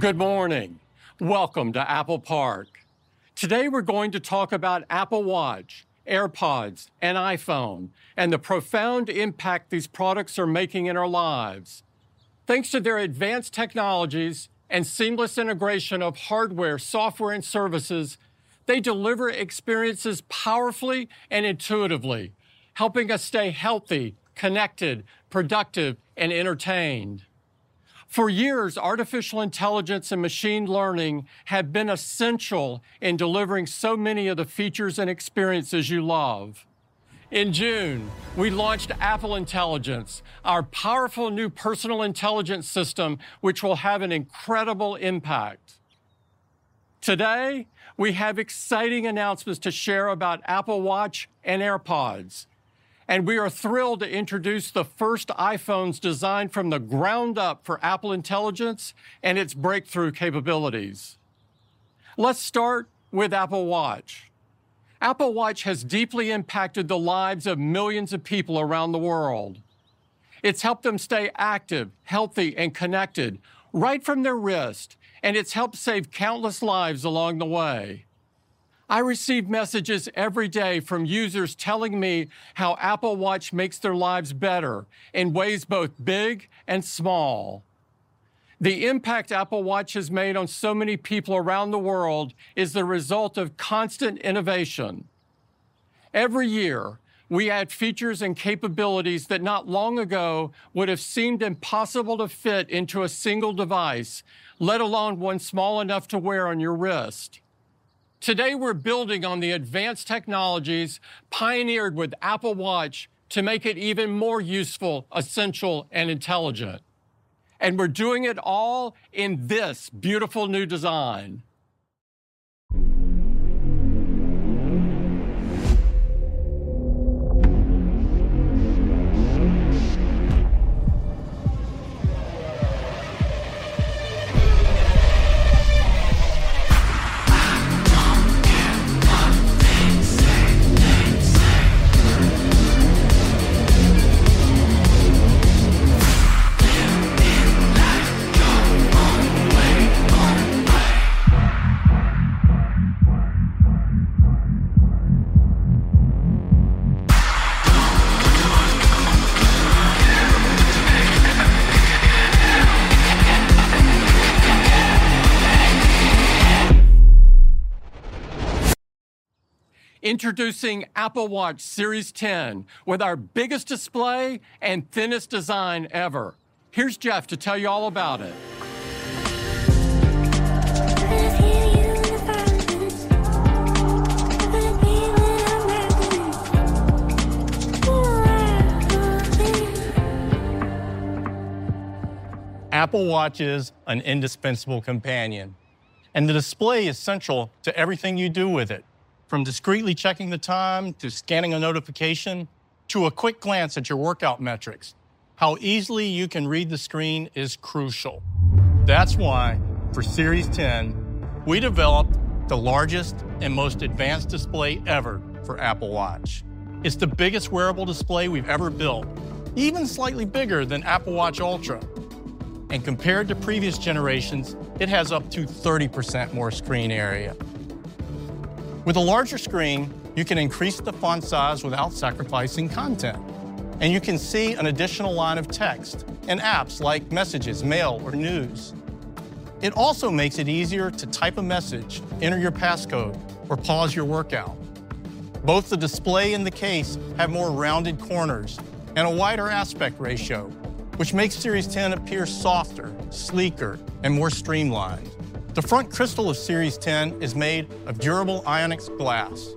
Good morning! Welcome to Apple Park. Today we're going to talk about Apple Watch, AirPods, and iPhone, and the profound impact these products are making in our lives. Thanks to their advanced technologies and seamless integration of hardware, software, and services, they deliver experiences powerfully and intuitively, helping us stay healthy, connected, productive, and entertained. For years, artificial intelligence and machine learning have been essential in delivering so many of the features and experiences you love. In June, we launched Apple Intelligence, our powerful new personal intelligence system, which will have an incredible impact. Today, we have exciting announcements to share about Apple Watch and AirPods, and we are thrilled to introduce the first iPhones designed from the ground up for Apple Intelligence and its breakthrough capabilities. Let's start with Apple Watch. Apple Watch has deeply impacted the lives of millions of people around the world. It's helped them stay active, healthy, and connected, right from their wrist, and it's helped save countless lives along the way. I receive messages every day from users telling me how Apple Watch makes their lives better in ways both big and small. The impact Apple Watch has made on so many people around the world is the result of constant innovation. Every year, we add features and capabilities that not long ago would have seemed impossible to fit into a single device, let alone one small enough to wear on your wrist. Today, we're building on the advanced technologies pioneered with Apple Watch to make it even more useful, essential, and intelligent, and we're doing it all in this beautiful new design. Introducing Apple Watch Series 10, with our biggest display and thinnest design ever. Here's Jeff to tell you all about it. Apple Watch is an indispensable companion, and the display is central to everything you do with it. From discreetly checking the time, to scanning a notification, to a quick glance at your workout metrics, how easily you can read the screen is crucial. That's why, for Series 10, we developed the largest and most advanced display ever for Apple Watch. It's the biggest wearable display we've ever built, even slightly bigger than Apple Watch Ultra, and compared to previous generations, it has up to 30% more screen area. With a larger screen, you can increase the font size without sacrificing content, and you can see an additional line of text in apps like Messages, Mail, or News. It also makes it easier to type a message, enter your passcode, or pause your workout. Both the display and the case have more rounded corners and a wider aspect ratio, which makes Series 10 appear softer, sleeker, and more streamlined. The front crystal of Series 10 is made of durable Ion-X glass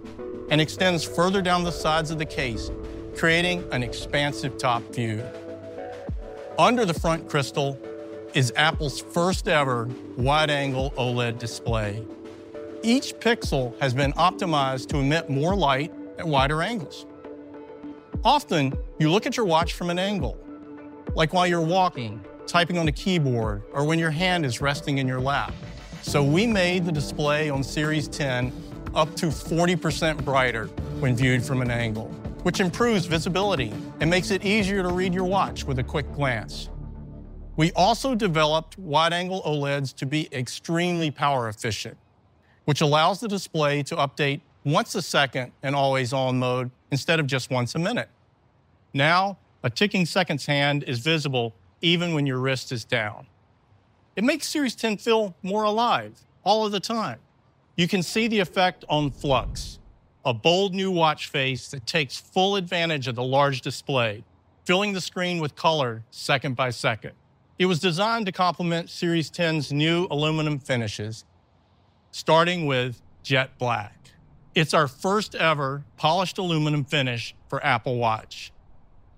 and extends further down the sides of the case, creating an expansive top view. Under the front crystal is Apple's first-ever wide-angle OLED display. Each pixel has been optimized to emit more light at wider angles. Often, you look at your watch from an angle, like while you're walking, typing on a keyboard, or when your hand is resting in your lap. So we made the display on Series 10 up to 40% brighter when viewed from an angle, which improves visibility and makes it easier to read your watch with a quick glance. We also developed wide-angle OLEDs to be extremely power efficient, which allows the display to update once a second in Always-On mode instead of just once a minute. Now, a ticking seconds hand is visible even when your wrist is down. It makes Series 10 feel more alive all of the time. You can see the effect on Flux, a bold new watch face that takes full advantage of the large display, filling the screen with color second by second. It was designed to complement Series 10's new aluminum finishes, starting with Jet Black. It's our first-ever polished aluminum finish for Apple Watch.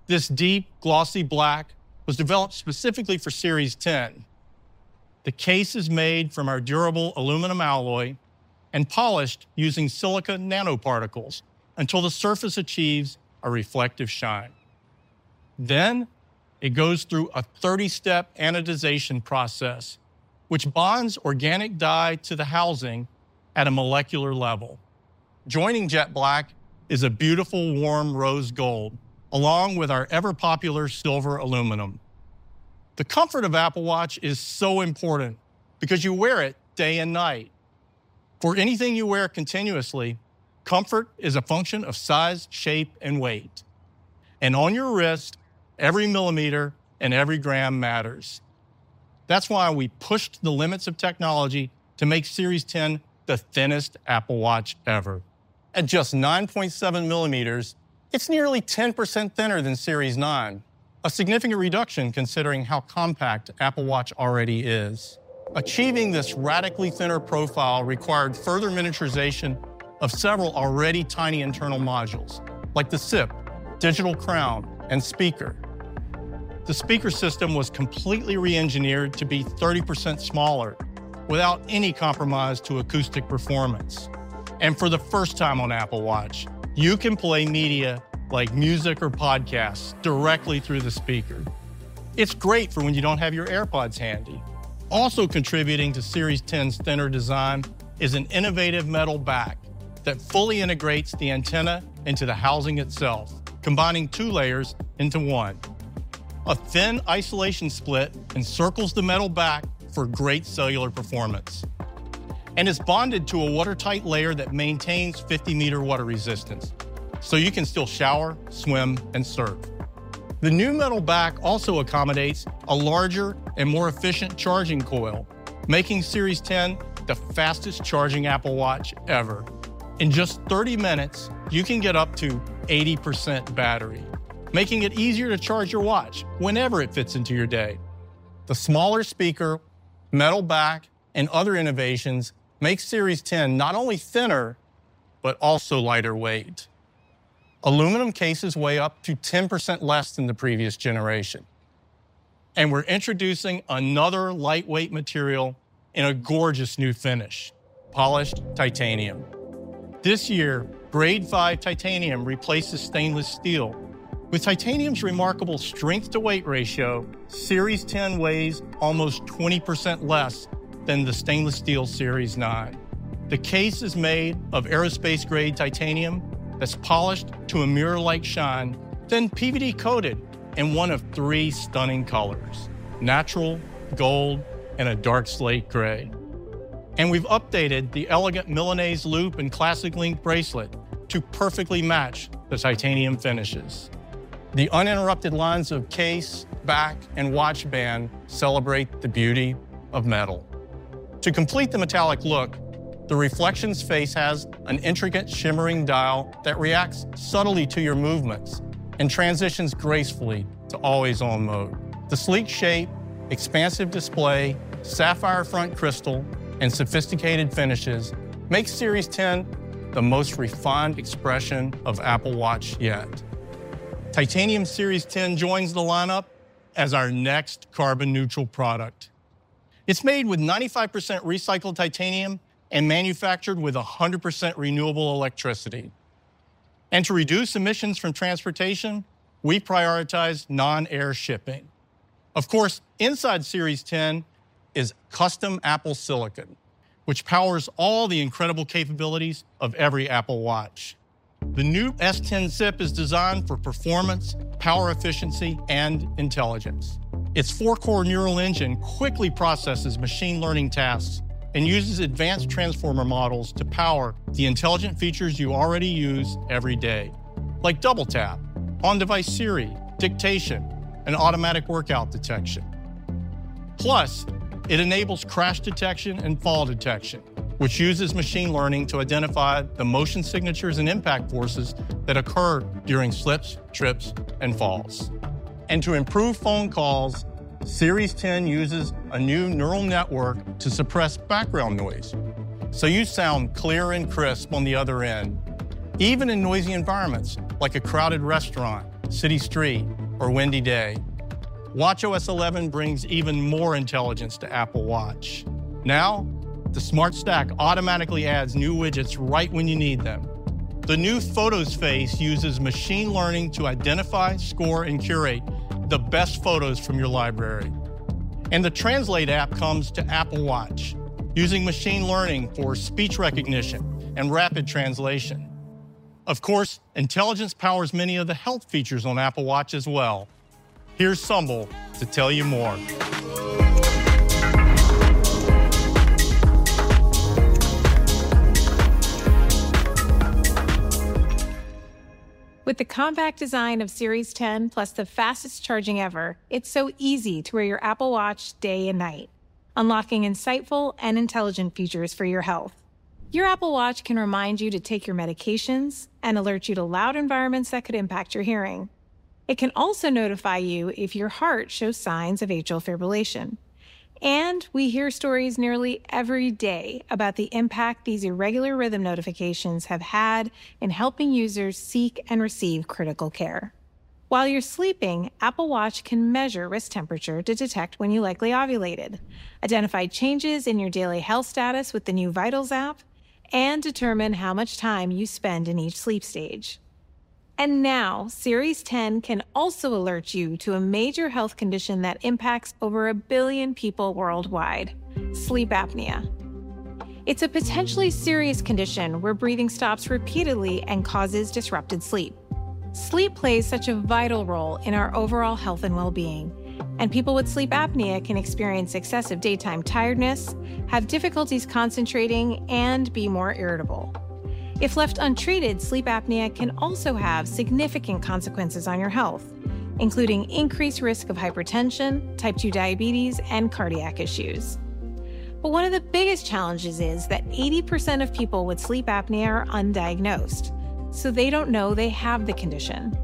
This deep, glossy Black was developed specifically for Series 10. The case is made from our durable aluminum alloy and polished using silica nanoparticles until the surface achieves a reflective shine. It goes through a 30-step anodization process, which bonds organic dye to the housing at a molecular level. Joining Jet Black is a beautiful, warm Rose Gold, along with our ever-popular Silver aluminum. The comfort of Apple Watch is so important because you wear it day and night. For anything you wear continuously, comfort is a function of size, shape, and weight, and on your wrist, every millimeter and every gram matters. That's why we pushed the limits of technology to make Series 10 the thinnest Apple Watch ever. At just 9.7 millimeters, it's nearly 10% thinner than Series 9, a significant reduction considering how compact Apple Watch already is. Achieving this radically thinner profile required further miniaturization of several already tiny internal modules, like the S10 SiP, Digital Crown, and speaker. The speaker system was completely re-engineered to be 30% smaller, without any compromise to acoustic performance, and for the first time on Apple Watch, you can play media, like music or podcasts, directly through the speaker. It's great for when you don't have your AirPods handy. Also contributing to Series 10's thinner design is an innovative metal back that fully integrates the antenna into the housing itself, combining two layers into one. A thin isolation split encircles the metal back for great cellular performance, and is bonded to a watertight layer that maintains 50-meter water resistance, so you can still shower, swim, and surf. The new metal back also accommodates a larger and more efficient charging coil, making Series 10 the fastest-charging Apple Watch ever. In just 30 minutes, you can get up to 80% battery, making it easier to charge your watch whenever it fits into your day. The smaller speaker, metal back, and other innovations make Series 10 not only thinner, but also lighter weight. Aluminum cases weigh up to 10% less than the previous generation. And we're introducing another lightweight material in a gorgeous new finish, polished titanium. This year, Grade 5 titanium replaces stainless steel. With titanium's remarkable strength-to-weight ratio, Series 10 weighs almost 20% less than the stainless steel Series 9. The case is made of aerospace-grade titanium that's polished to a mirror-like shine, then PVD coated in one of three stunning colors: Natural, Gold, and a dark slate gray. And we've updated the elegant Milanese Loop and classic Link Bracelet to perfectly match the titanium finishes. The uninterrupted lines of case, back, and watch band celebrate the beauty of metal. To complete the metallic look, the Reflections face has an intricate shimmering dial that reacts subtly to your movements and transitions gracefully to always-on mode. The sleek shape, expansive display, sapphire front crystal, and sophisticated finishes make Series 10 the most refined expression of Apple Watch yet. Titanium Series 10 joins the lineup as our next carbon neutral product. It's made with 95% recycled titanium and manufactured with 100% renewable electricity. And to reduce emissions from transportation, we prioritize non-air shipping. Of course, inside Series 10 is custom Apple silicon, which powers all the incredible capabilities of every Apple Watch. The new S10 SiP is designed for performance, power efficiency, and intelligence. Its four-core Neural Engine quickly processes machine learning tasks and uses advanced transformer models to power the intelligent features you already use every day, like Double Tap, on-device Siri, dictation, and automatic workout detection. Plus, it enables Crash Detection and Fall Detection, which uses machine learning to identify the motion signatures and impact forces that occur during slips, trips, and falls. And to improve phone calls, Series 10 uses a new neural network to suppress background noise, so you sound clear and crisp on the other end, even in noisy environments like a crowded restaurant, city street, or windy day. watchOS 11 brings even more intelligence to Apple Watch. Now, the Smart Stack automatically adds new widgets right when you need them. The new Photos face uses machine learning to identify, score, and curate the best photos from your library. The Translate app comes to Apple Watch, using machine learning for speech recognition and rapid translation. Of course, intelligence powers many of the health features on Apple Watch as well. Here's Sumbul to tell you more. With the compact design of Series 10, plus the fastest charging ever, it's so easy to wear your Apple Watch day and night, unlocking insightful and intelligent features for your health. Your Apple Watch can remind you to take your medications and alert you to loud environments that could impact your hearing. It can also notify you if your heart shows signs of atrial fibrillation. And we hear stories nearly every day about the impact these irregular rhythm notifications have had in helping users seek and receive critical care. While you're sleeping, Apple Watch can measure wrist temperature to detect when you likely ovulated, identify changes in your daily health status with the new Vitals app, and determine how much time you spend in each sleep stage. And now, Series 10 can also alert you to a major health condition that impacts over a billion people worldwide, sleep apnea. It's a potentially serious condition where breathing stops repeatedly and causes disrupted sleep. Sleep plays such a vital role in our overall health and well-being, and people with sleep apnea can experience excessive daytime tiredness, have difficulties concentrating, and be more irritable. If left untreated, sleep apnea can also have significant consequences on your health, including increased risk of hypertension, type 2 diabetes, and cardiac issues. But one of the biggest challenges is that 80% of people with sleep apnea are undiagnosed, so they don't know they have the condition.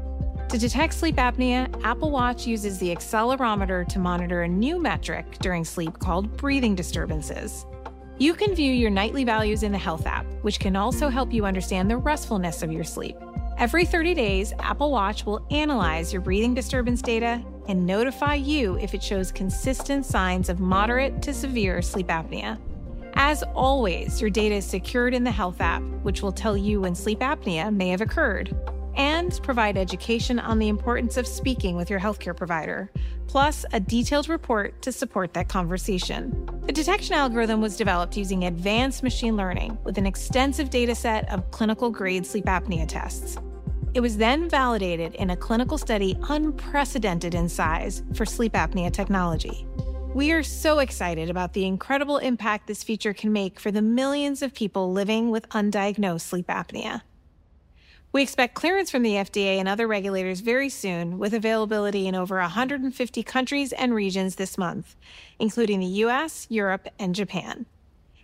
To detect sleep apnea, Apple Watch uses the accelerometer to monitor a new metric during sleep called Breathing Disturbances. You can view your nightly values in the Health app, which can also help you understand the restfulness of your sleep. Every 30 days, Apple Watch will analyze your breathing disturbance data and notify you if it shows consistent signs of moderate to severe sleep apnea. As always, your data is secured in the Health app, which will tell you when sleep apnea may have occurred, and provide education on the importance of speaking with your healthcare provider, plus a detailed report to support that conversation. The detection algorithm was developed using advanced machine learning with an extensive data set of clinical-grade sleep apnea tests. It was then validated in a clinical study unprecedented in size for sleep apnea technology. We are so excited about the incredible impact this feature can make for the millions of people living with undiagnosed sleep apnea. We expect clearance from the FDA and other regulators very soon, with availability in over 150 countries and regions this month, including the U.S., Europe, and Japan.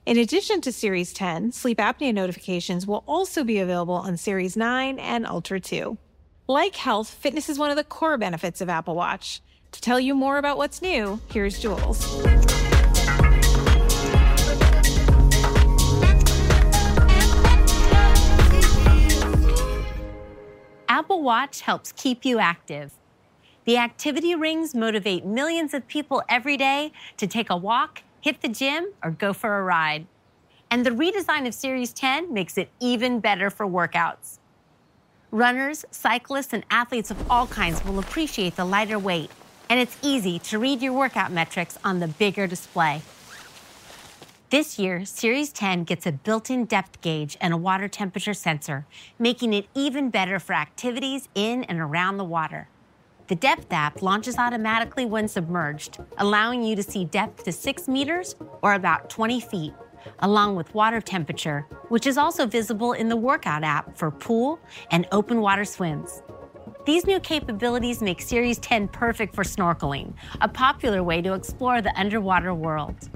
In addition to Series 10, Sleep Apnea Notifications will also be available on Series 9 and Ultra 2. Like health, fitness is one of the core benefits of Apple Watch. To tell you more about what's new, here's Julz. Apple Watch helps keep you active. The Activity rings motivate millions of people every day to take a walk, hit the gym, or go for a ride, and the redesign of Series 10 makes it even better for workouts. Runners, cyclists, and athletes of all kinds will appreciate the lighter weight, and it's easy to read your workout metrics on the bigger display. This year, Series 10 gets a built-in depth gauge and a water temperature sensor, making it even better for activities in and around the water. The Depth app launches automatically when submerged, allowing you to see depth to six meters, or about 20 ft, along with water temperature, which is also visible in the Workout app for pool and open water swims. These new capabilities make Series 10 perfect for snorkeling, a popular way to explore the underwater world.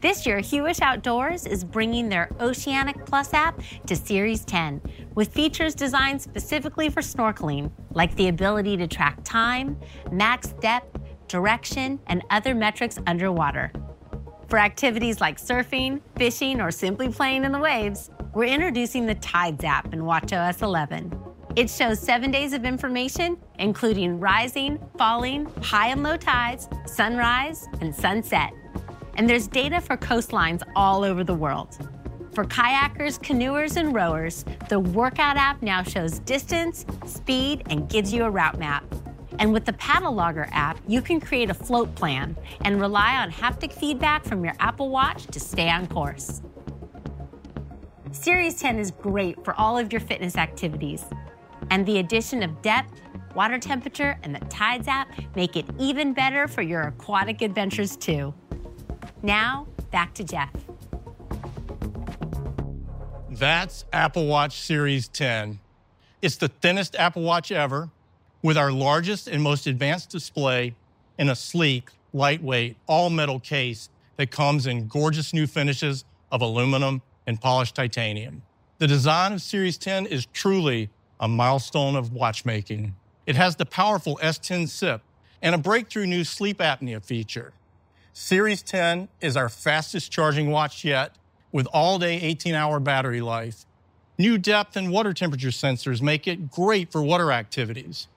This year, Huish Outdoors is bringing their Oceanic+ app to Series 10, with features designed specifically for snorkeling, like the ability to track time, max depth, direction, and other metrics underwater. For activities like surfing, fishing, or simply playing in the waves, we're introducing the Tides app in watchOS 11. It shows seven days of information, including rising, falling, high and low tides, sunrise, and sunset, and there's data for coastlines all over the world. For kayakers, canoers, and rowers, the Workout app now shows distance, speed, and gives you a route map, and with the Paddle Logger app, you can create a float plan and rely on haptic feedback from your Apple Watch to stay on course. Series 10 is great for all of your fitness activities, and the addition of depth, water temperature, and the Tides app make it even better for your aquatic adventures, too. Now, back to Jeff. That's Apple Watch Series 10. It's the thinnest Apple Watch ever, with our largest and most advanced display in a sleek, lightweight, all-metal case that comes in gorgeous new finishes of aluminum and polished titanium. The design of Series 10 is truly a milestone of watchmaking. It has the powerful S10 SiP and a breakthrough new sleep apnea feature. Series 10 is our fastest-charging watch yet, with all-day 18-hour battery life. New depth and water temperature sensors make it great for water activities.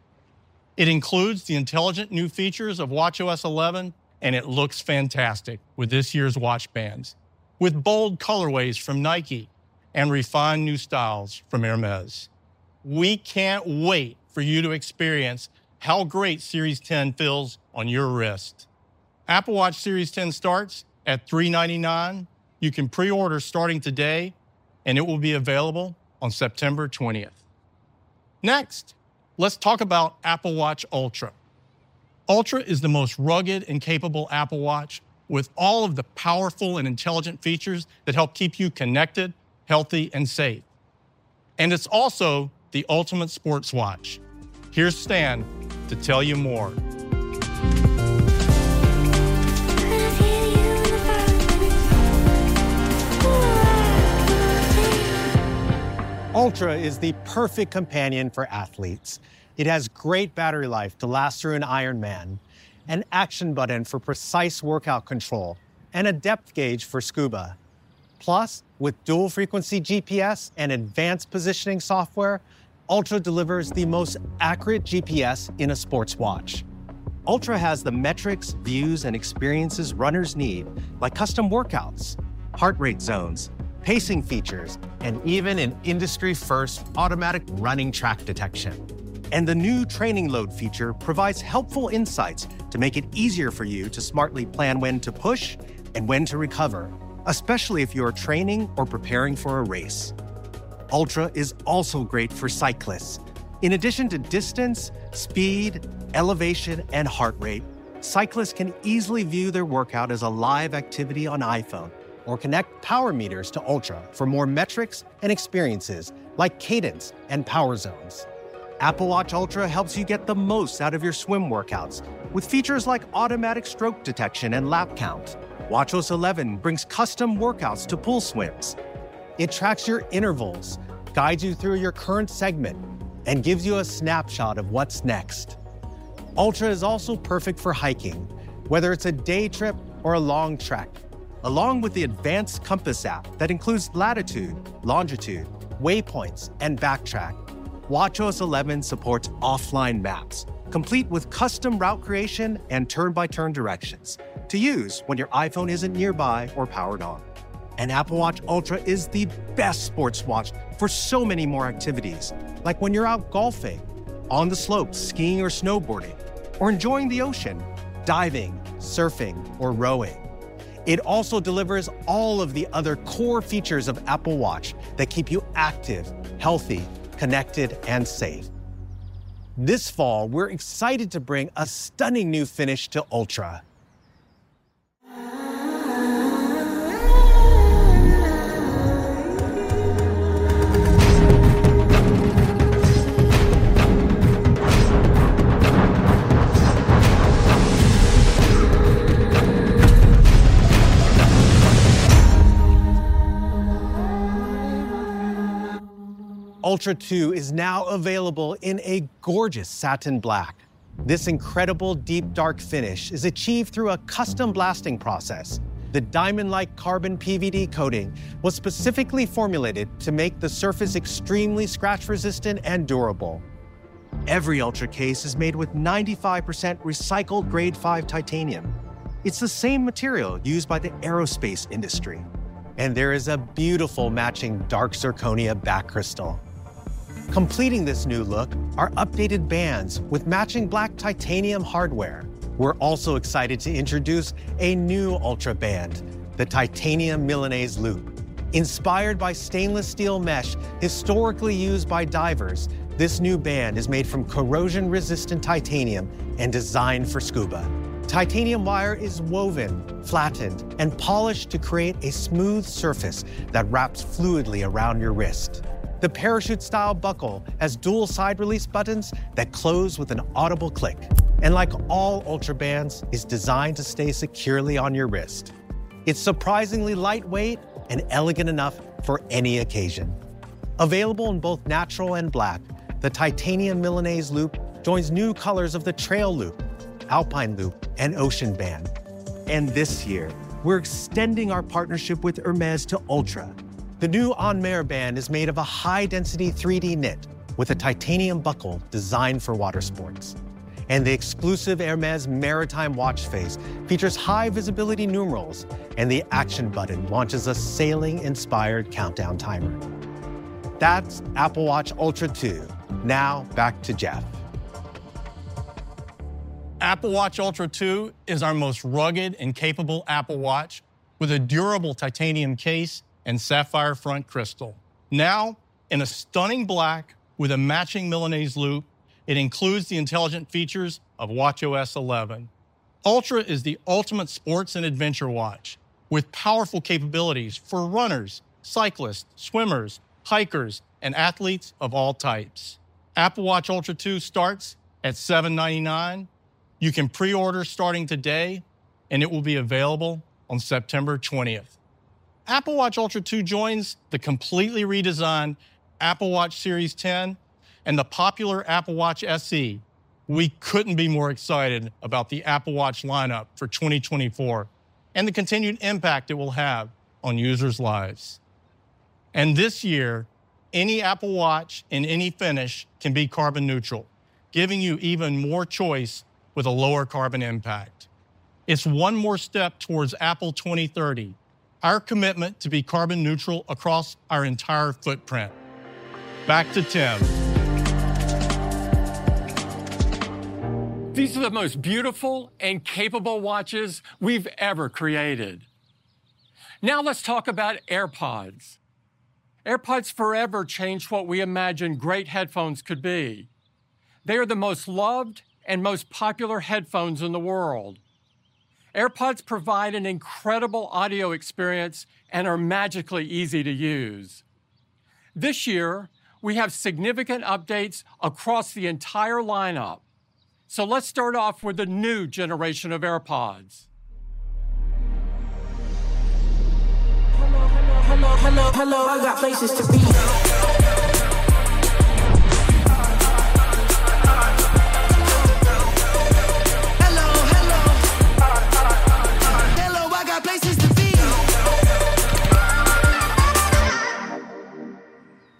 It includes the intelligent new features of watchOS 11, and it looks fantastic with this year's watch bands, with bold colorways from Nike and refined new styles from Hermès. We can't wait for you to experience how great Series 10 feels on your wrist. Apple Watch Series 10 starts at $399. You can pre-order starting today, and it will be available on September 20th. Next, let's talk about Apple Watch Ultra. Ultra is the most rugged and capable Apple Watch, with all of the powerful and intelligent features that help keep you connected, healthy, and safe, and it's also the ultimate sports watch. Here's Stan to tell you more. Ultra is the perfect companion for athletes. It has great battery life to last through an Ironman, an Action button for precise workout control, and a depth gauge for scuba. Plus, with dual-frequency GPS and advanced positioning software, Ultra delivers the most accurate GPS in a sports watch. Ultra has the metrics, views, and experiences runners need, like custom workouts, heart rate zones, pacing features, and even an industry-first automatic running track detection. And the new Training Load feature provides helpful insights to make it easier for you to smartly plan when to push and when to recover, especially if you're training or preparing for a race. Ultra is also great for cyclists. In addition to distance, speed, elevation, and heart rate, cyclists can easily view their workout as a Live Activity on iPhone or connect power meters to Ultra for more metrics and experiences, like cadence and power zones. Apple Watch Ultra helps you get the most out of your swim workouts with features like automatic stroke detection and lap count. WatchOS 11 brings custom workouts to pool swims. It tracks your intervals, guides you through your current segment, and gives you a snapshot of what's next. Ultra is also perfect for hiking, whether it's a day trip or a long trek. Along with the advanced Compass app that includes latitude, longitude, waypoints, and Backtrack, watchOS 11 supports offline maps, complete with custom route creation and turn-by-turn directions to use when your iPhone isn't nearby or powered on, and Apple Watch Ultra is the best sports watch for so many more activities, like when you're out golfing, on the slopes skiing or snowboarding, or enjoying the ocean, diving, surfing, or rowing. It also delivers all of the other core features of Apple Watch that keep you active, healthy, connected, and safe. This fall, we're excited to bring a stunning new finish to Ultra. Ultra 2 is now available in a gorgeous Satin Black. This incredible deep, dark finish is achieved through a custom blasting process. The diamond-like carbon PVD coating was specifically formulated to make the surface extremely scratch-resistant and durable. Every Ultra case is made with 95% recycled Grade 5 titanium. It's the same material used by the aerospace industry, and there is a beautiful matching dark zirconia back crystal. Completing this new look are updated bands with matching Black titanium hardware. We're also excited to introduce a new Ultra band, the Titanium Milanese Loop. Inspired by stainless steel mesh historically used by divers, this new band is made from corrosion-resistant titanium and designed for scuba. Titanium wire is woven, flattened, and polished to create a smooth surface that wraps fluidly around your wrist. The parachute-style buckle has dual side release buttons that close with an audible click, and like all Ultra bands, is designed to stay securely on your wrist. It's surprisingly lightweight and elegant enough for any occasion. Available in both Natural and Black, the Titanium Milanese Loop joins new colors of the Trail Loop, Alpine Loop, and Ocean Band. And this year, we're extending our partnership with Hermès to Ultra. The new En Mer band is made of a high-density 3D knit with a titanium buckle designed for water sports. And the exclusive Hermès Maritime watch face features high-visibility numerals, and the Action button launches a sailing-inspired countdown timer. That's Apple Watch Ultra 2. Now, back to Jeff. Apple Watch Ultra 2 is our most rugged and capable Apple Watch, with a durable titanium case and sapphire front crystal. Now, in a stunning Black with a matching Milanese Loop, it includes the intelligent features of watchOS 11. Ultra is the ultimate sports and adventure watch, with powerful capabilities for runners, cyclists, swimmers, hikers, and athletes of all types. Apple Watch Ultra 2 starts at $799. You can pre-order starting today, and it will be available on September 20th. Apple Watch Ultra 2 joins the completely redesigned Apple Watch Series 10 and the popular Apple Watch SE. We couldn't be more excited about the Apple Watch lineup for 2024 and the continued impact it will have on users' lives. And this year, any Apple Watch in any finish can be carbon neutral, giving you even more choice with a lower carbon impact. It's one more step towards Apple 2030, our commitment to be carbon neutral across our entire footprint. Back to Tim. These are the most beautiful and capable watches we've ever created. Now let's talk about AirPods. AirPods forever changed what we imagine great headphones could be. They are the most loved and most popular headphones in the world. AirPods provide an incredible audio experience and are magically easy to use. This year, we have significant updates across the entire lineup, so let's start off with the new generation of AirPods.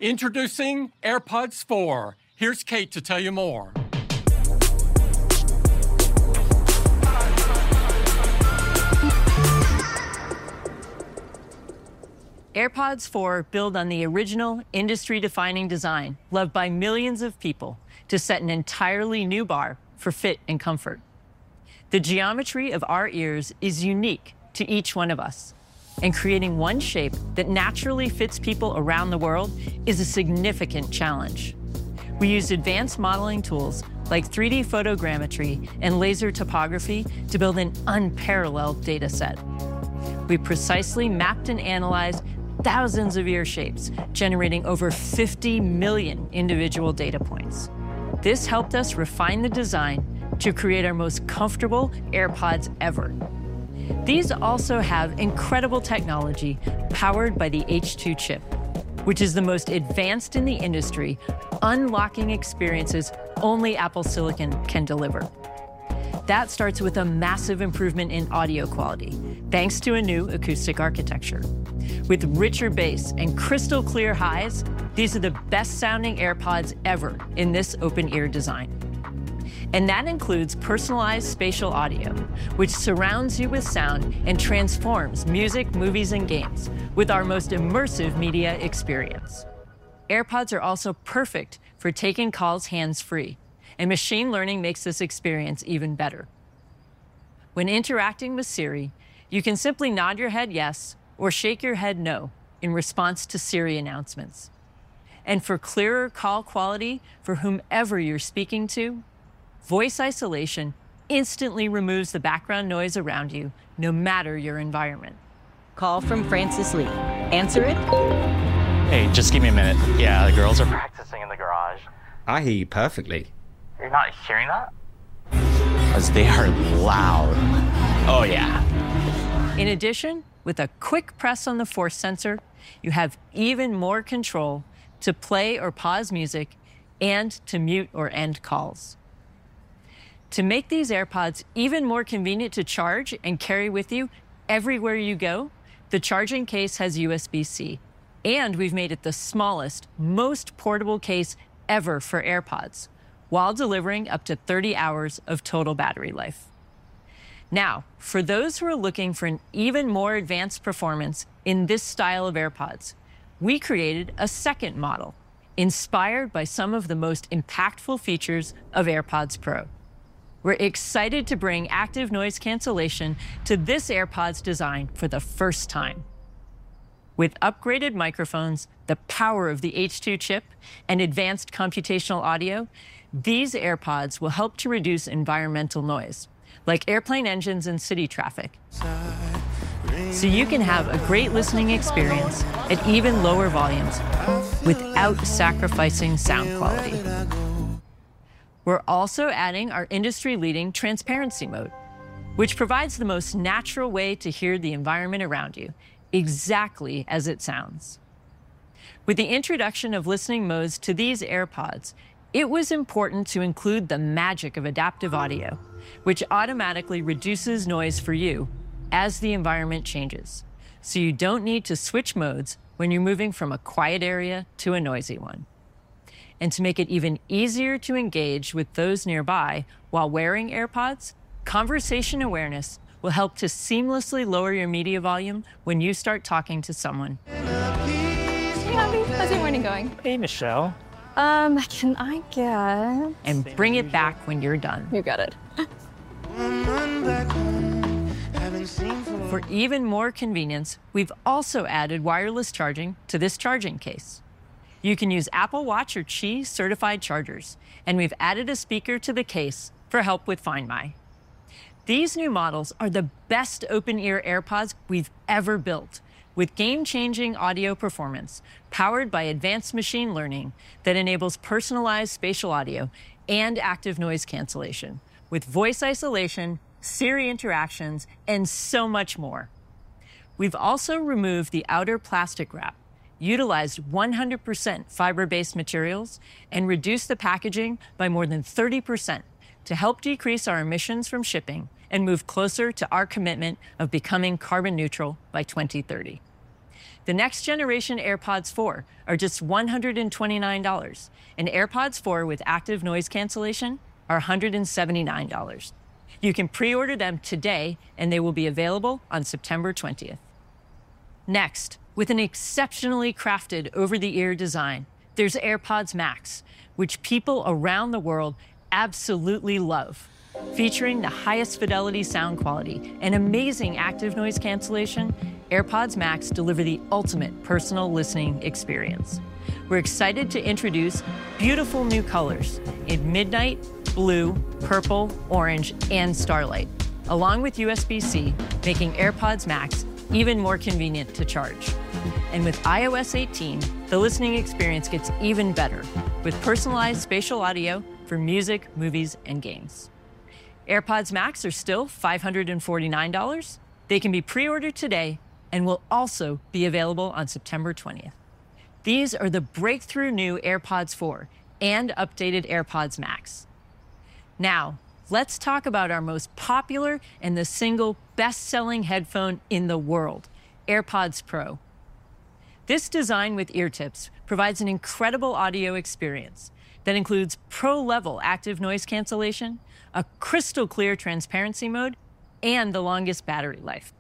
Introducing AirPods 4. Here's Kate to tell you more. AirPods 4 build on the original industry-defining design, loved by millions of people, to set an entirely new bar for fit and comfort. The geometry of our ears is unique to each one of us, and creating one shape that naturally fits people around the world is a significant challenge. We used advanced modeling tools, like 3D photogrammetry and laser topography, to build an unparalleled data set. We precisely mapped and analyzed thousands of ear shapes, generating over 50 million individual data points. This helped us refine the design to create our most comfortable AirPods ever. These also have incredible technology, powered by the H2 chip, which is the most advanced in the industry, unlocking experiences only Apple silicon can deliver. That starts with a massive improvement in audio quality, thanks to a new acoustic architecture. With richer bass and crystal-clear highs, these are the best-sounding AirPods ever in this open-ear design. And that includes Personalized Spatial Audio, which surrounds you with sound and transforms music, movies, and games with our most immersive media experience. AirPods are also perfect for taking calls hands-free, and machine learning makes this experience even better. When interacting with Siri, you can simply nod your head yes or shake your head no in response to Siri announcements. And for clearer call quality for whomever you're speaking to, Voice Isolation instantly removes the background noise around you, no matter your environment. Call from Francis Lee. Answer it? Hey, just give me a minute. Yeah, the girls are practicing in the garage. I hear you perfectly. You're not hearing that? 'Cause they are loud. Oh, yeah. In addition, with a quick press on the force sensor, you have even more control to play or pause music and to mute or end calls. To make these AirPods even more convenient to charge and carry with you everywhere you go, the charging case has USB-C, and we've made it the smallest, most portable case ever for AirPods, while delivering up to 30 hours of total battery life. Now, for those who are looking for an even more advanced performance in this style of AirPods, we created a second model, inspired by some of the most impactful features of AirPods Pro. We're excited to bring Active Noise Cancellation to this AirPods design for the first time. With upgraded microphones, the power of the H2 chip, and advanced computational audio, these AirPods will help to reduce environmental noise, like airplane engines and city traffic. So you can have a great listening experience at even lower volumes, without sacrificing sound quality. We're also adding our industry-leading Transparency mode, which provides the most natural way to hear the environment around you, exactly as it sounds. With the introduction of listening modes to these AirPods, it was important to include the magic of Adaptive Audio, which automatically reduces noise for you as the environment changes, so you don't need to switch modes when you're moving from a quiet area to a noisy one. And to make it even easier to engage with those nearby while wearing AirPods, Conversation Awareness will help to seamlessly lower your media volume when you start talking to someone. Hey, Abby. How's your morning going? Hey, Michelle. Bring it back when you're done. You got it. For even more convenience, we've also added wireless charging to this charging case. You can use Apple Watch or Qi-certified chargers, and we've added a speaker to the case for help with Find My. These new models are the best open-ear AirPods we've ever built, with game-changing audio performance, powered by advanced machine learning that enables Personalized Spatial Audio and Active Noise Cancellation, with Voice Isolation, Siri interactions, and so much more. We've also removed the outer plastic wrap, utilized 100% fiber-based materials, and reduced the packaging by more than 30% to help decrease our emissions from shipping and move closer to our commitment of becoming carbon neutral by 2030. The next generation AirPods 4 are just $129, and AirPods 4 with Active Noise Cancellation are $179. You can pre-order them today, and they will be available on September 20th. Next, with an exceptionally crafted over-the-ear design, there's AirPods Max, which people around the world absolutely love. Featuring the highest-fidelity sound quality and amazing Active Noise Cancellation, AirPods Max deliver the ultimate personal listening experience. We're excited to introduce beautiful new colors in Midnight, Blue, Purple, Orange, and Starlight, along with USB-C, making AirPods Max even more convenient to charge, and with iOS 18, the listening experience gets even better, with Personalized Spatial Audio for music, movies, and games. AirPods Max are still $549. They can be pre-ordered today and will also be available on September 20th. These are the breakthrough new AirPods 4 and updated AirPods Max. Now, let's talk about our most popular and the single best-selling headphone in the world, AirPods Pro. This design with ear tips provides an incredible audio experience that includes pro-level Active Noise Cancellation, a crystal clear transparency mode, and the longest battery life.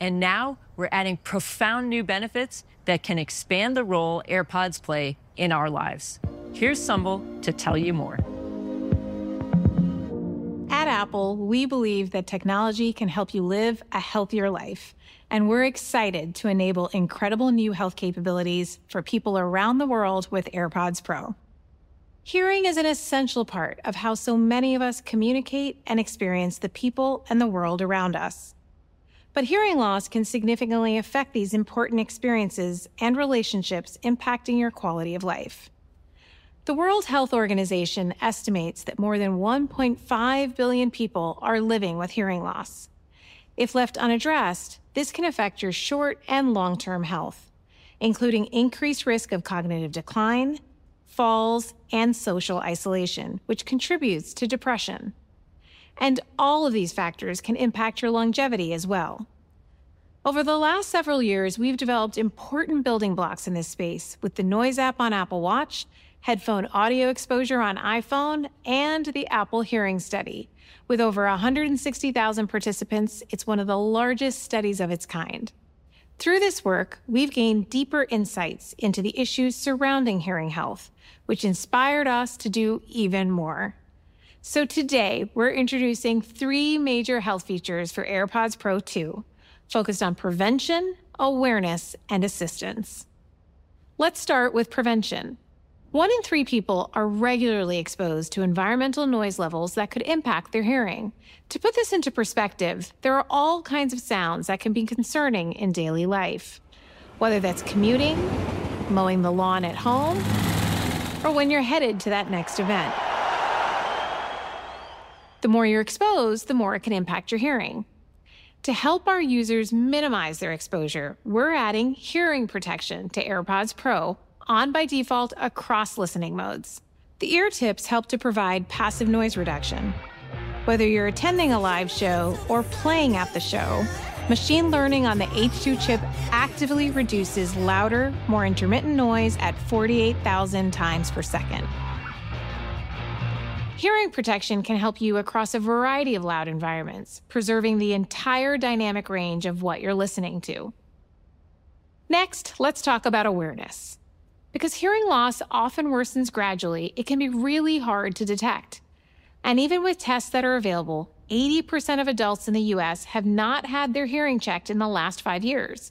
And now we're adding profound new benefits that can expand the role AirPods play in our lives. Here's Sumbul to tell you more. At Apple, we believe that technology can help you live a healthier life, and we're excited to enable incredible new health capabilities for people around the world with AirPods Pro. Hearing is an essential part of how so many of us communicate and experience the people and the world around us. But hearing loss can significantly affect these important experiences and relationships, impacting your quality of life. The World Health Organization estimates that more than 1.5 billion people are living with hearing loss. If left unaddressed, this can affect your short and long-term health, including increased risk of cognitive decline, falls, and social isolation, which contributes to depression. And all of these factors can impact your longevity as well. Over the last several years, we've developed important building blocks in this space with the Noise app on Apple Watch, Headphone Audio Exposure on iPhone, and the Apple Hearing Study. With over 160,000 participants, it's one of the largest studies of its kind. Through this work, we've gained deeper insights into the issues surrounding hearing health, which inspired us to do even more. So today, we're introducing three major health features for AirPods Pro 2, focused on prevention, awareness, and assistance. Let's start with prevention. One in three people are regularly exposed to environmental noise levels that could impact their hearing. To put this into perspective, there are all kinds of sounds that can be concerning in daily life, whether that's commuting, mowing the lawn at home, or when you're headed to that next event. The more you're exposed, the more it can impact your hearing. To help our users minimize their exposure, we're adding Hearing Protection to AirPods Pro on by default across listening modes. The ear tips help to provide passive noise reduction. Whether you're attending a live show or playing at the show, machine learning on the H2 chip actively reduces louder, more intermittent noise at forty-eight thousand times per second. Hearing Protection can help you across a variety of loud environments, preserving the entire dynamic range of what you're listening to. Next, let's talk about awareness. Because hearing loss often worsens gradually, it can be really hard to detect, and even with tests that are available, 80% of adults in the U.S. have not had their hearing checked in the last five years.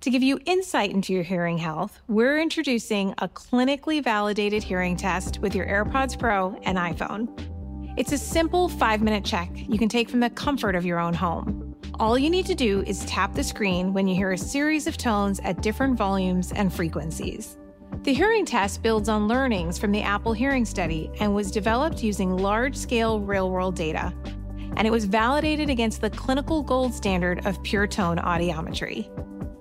To give you insight into your hearing health, we're introducing a clinically validated Hearing Test with your AirPods Pro and iPhone. It's a simple five-minute check you can take from the comfort of your own home. All you need to do is tap the screen when you hear a series of tones at different volumes and frequencies. The Hearing Test builds on learnings from the Apple Hearing Study and was developed using large-scale, real-world data, and it was validated against the clinical Gold standard of pure tone audiometry.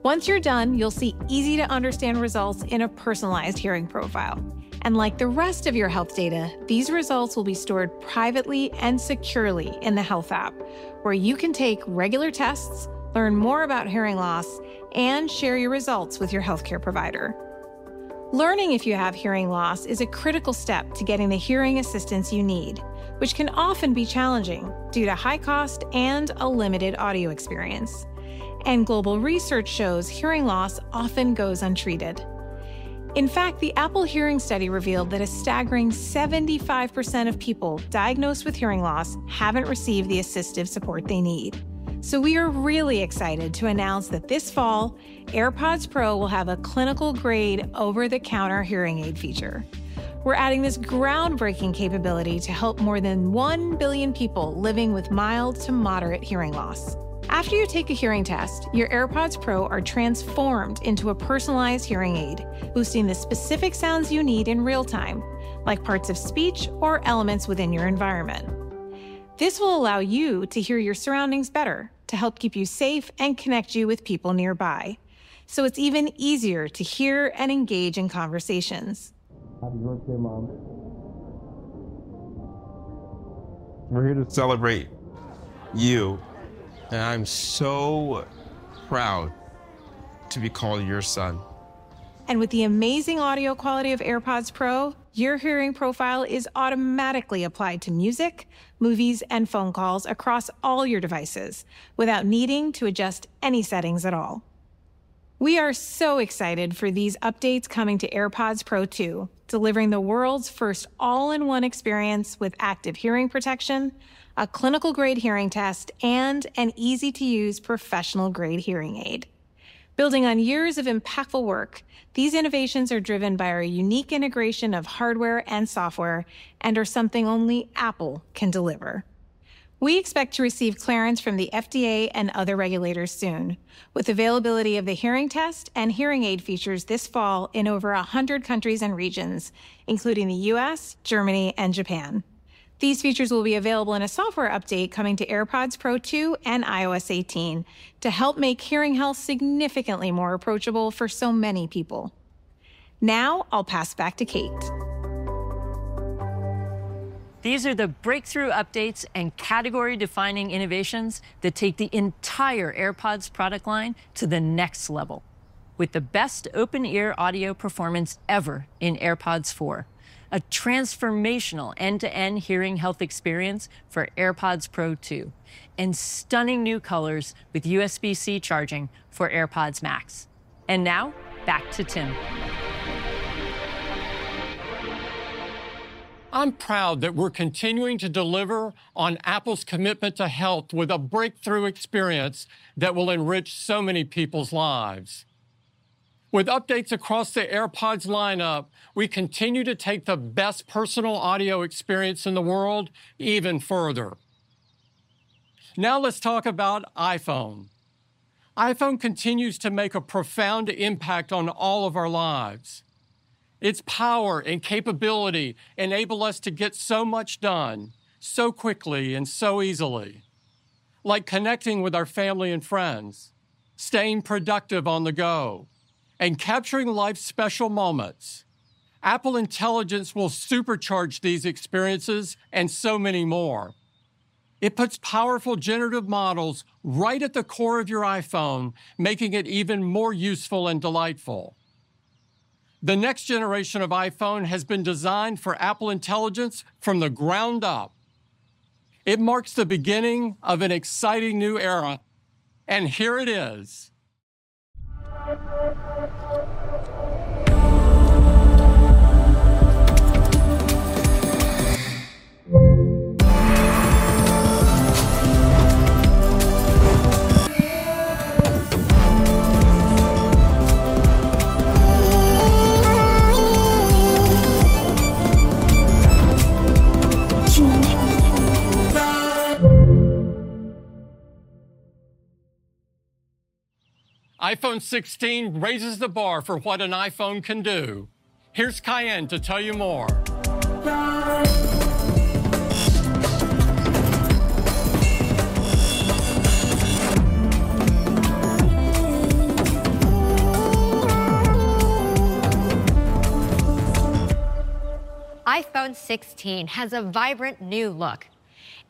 Once you're done, you'll see easy-to-understand results in a personalized hearing profile. And like the rest of your health data, these results will be stored privately and securely in the Health app, where you can take regular tests, learn more about hearing loss, and share your results with your healthcare provider. Learning if you have hearing loss is a critical step to getting the hearing assistance you need, which can often be challenging due to high cost and a limited audio experience. Global research shows hearing loss often goes untreated. In fact, the Apple Hearing Study revealed that a staggering 75% of people diagnosed with hearing loss haven't received the assistive support they need. We are really excited to announce that this fall, AirPods Pro will have a clinical-grade, over-the-counter hearing aid feature. We're adding this groundbreaking capability to help more than 1 billion people living with mild to moderate hearing loss. After you take a Hearing Test, your AirPods Pro are transformed into a personalized hearing aid, boosting the specific sounds you need in real time, like parts of speech or elements within your environment. This will allow you to hear your surroundings better, to help keep you safe and connect you with people nearby, so it's even easier to hear and engage in conversations. Happy birthday, Mom. We're here to celebrate you, and I'm so proud to be called your son. With the amazing audio quality of AirPods Pro, your hearing profile is automatically applied to music, movies, and phone calls across all your devices without needing to adjust any settings at all. We are so excited for these updates coming to AirPods Pro 2, delivering the world's first all-in-one experience with active Hearing Protection, a clinical-grade Hearing Test, and an easy-to-use, professional-grade hearing aid. Building on years of impactful work, these innovations are driven by our unique integration of hardware and software and are something only Apple can deliver. We expect to receive clearance from the FDA and other regulators soon, with availability of the Hearing Test and Hearing Aid features this fall in over 100 countries and regions, including the U.S., Germany, and Japan. These features will be available in a software update coming to AirPods Pro 2 and iOS 18 to help make hearing health significantly more approachable for so many people. Now, I'll pass back to Kate. These are the breakthrough updates and category-defining innovations that take the entire AirPods product line to the next level, with the best open-ear audio performance ever in AirPods 4, a transformational end-to-end hearing health experience for AirPods Pro 2, and stunning new colors with USB-C charging for AirPods Max. And now, back to Tim. I'm proud that we're continuing to deliver on Apple's commitment to health with a breakthrough experience that will enrich so many people's lives. With updates across the AirPods lineup, we continue to take the best personal audio experience in the world even further. Now let's talk about iPhone. iPhone continues to make a profound impact on all of our lives. Its power and capability enable us to get so much done so quickly and so easily, like connecting with our family and friends, staying productive on the go, and capturing life's special moments. Apple Intelligence will supercharge these experiences and so many more. It puts powerful generative models right at the core of your iPhone, making it even more useful and delightful. The next generation of iPhone has been designed for Apple Intelligence from the ground up. It marks the beginning of an exciting new era, and here it is. iPhone 16 raises the bar for what an iPhone can do. Here's Kaiann to tell you more. iPhone 16 has a vibrant new look.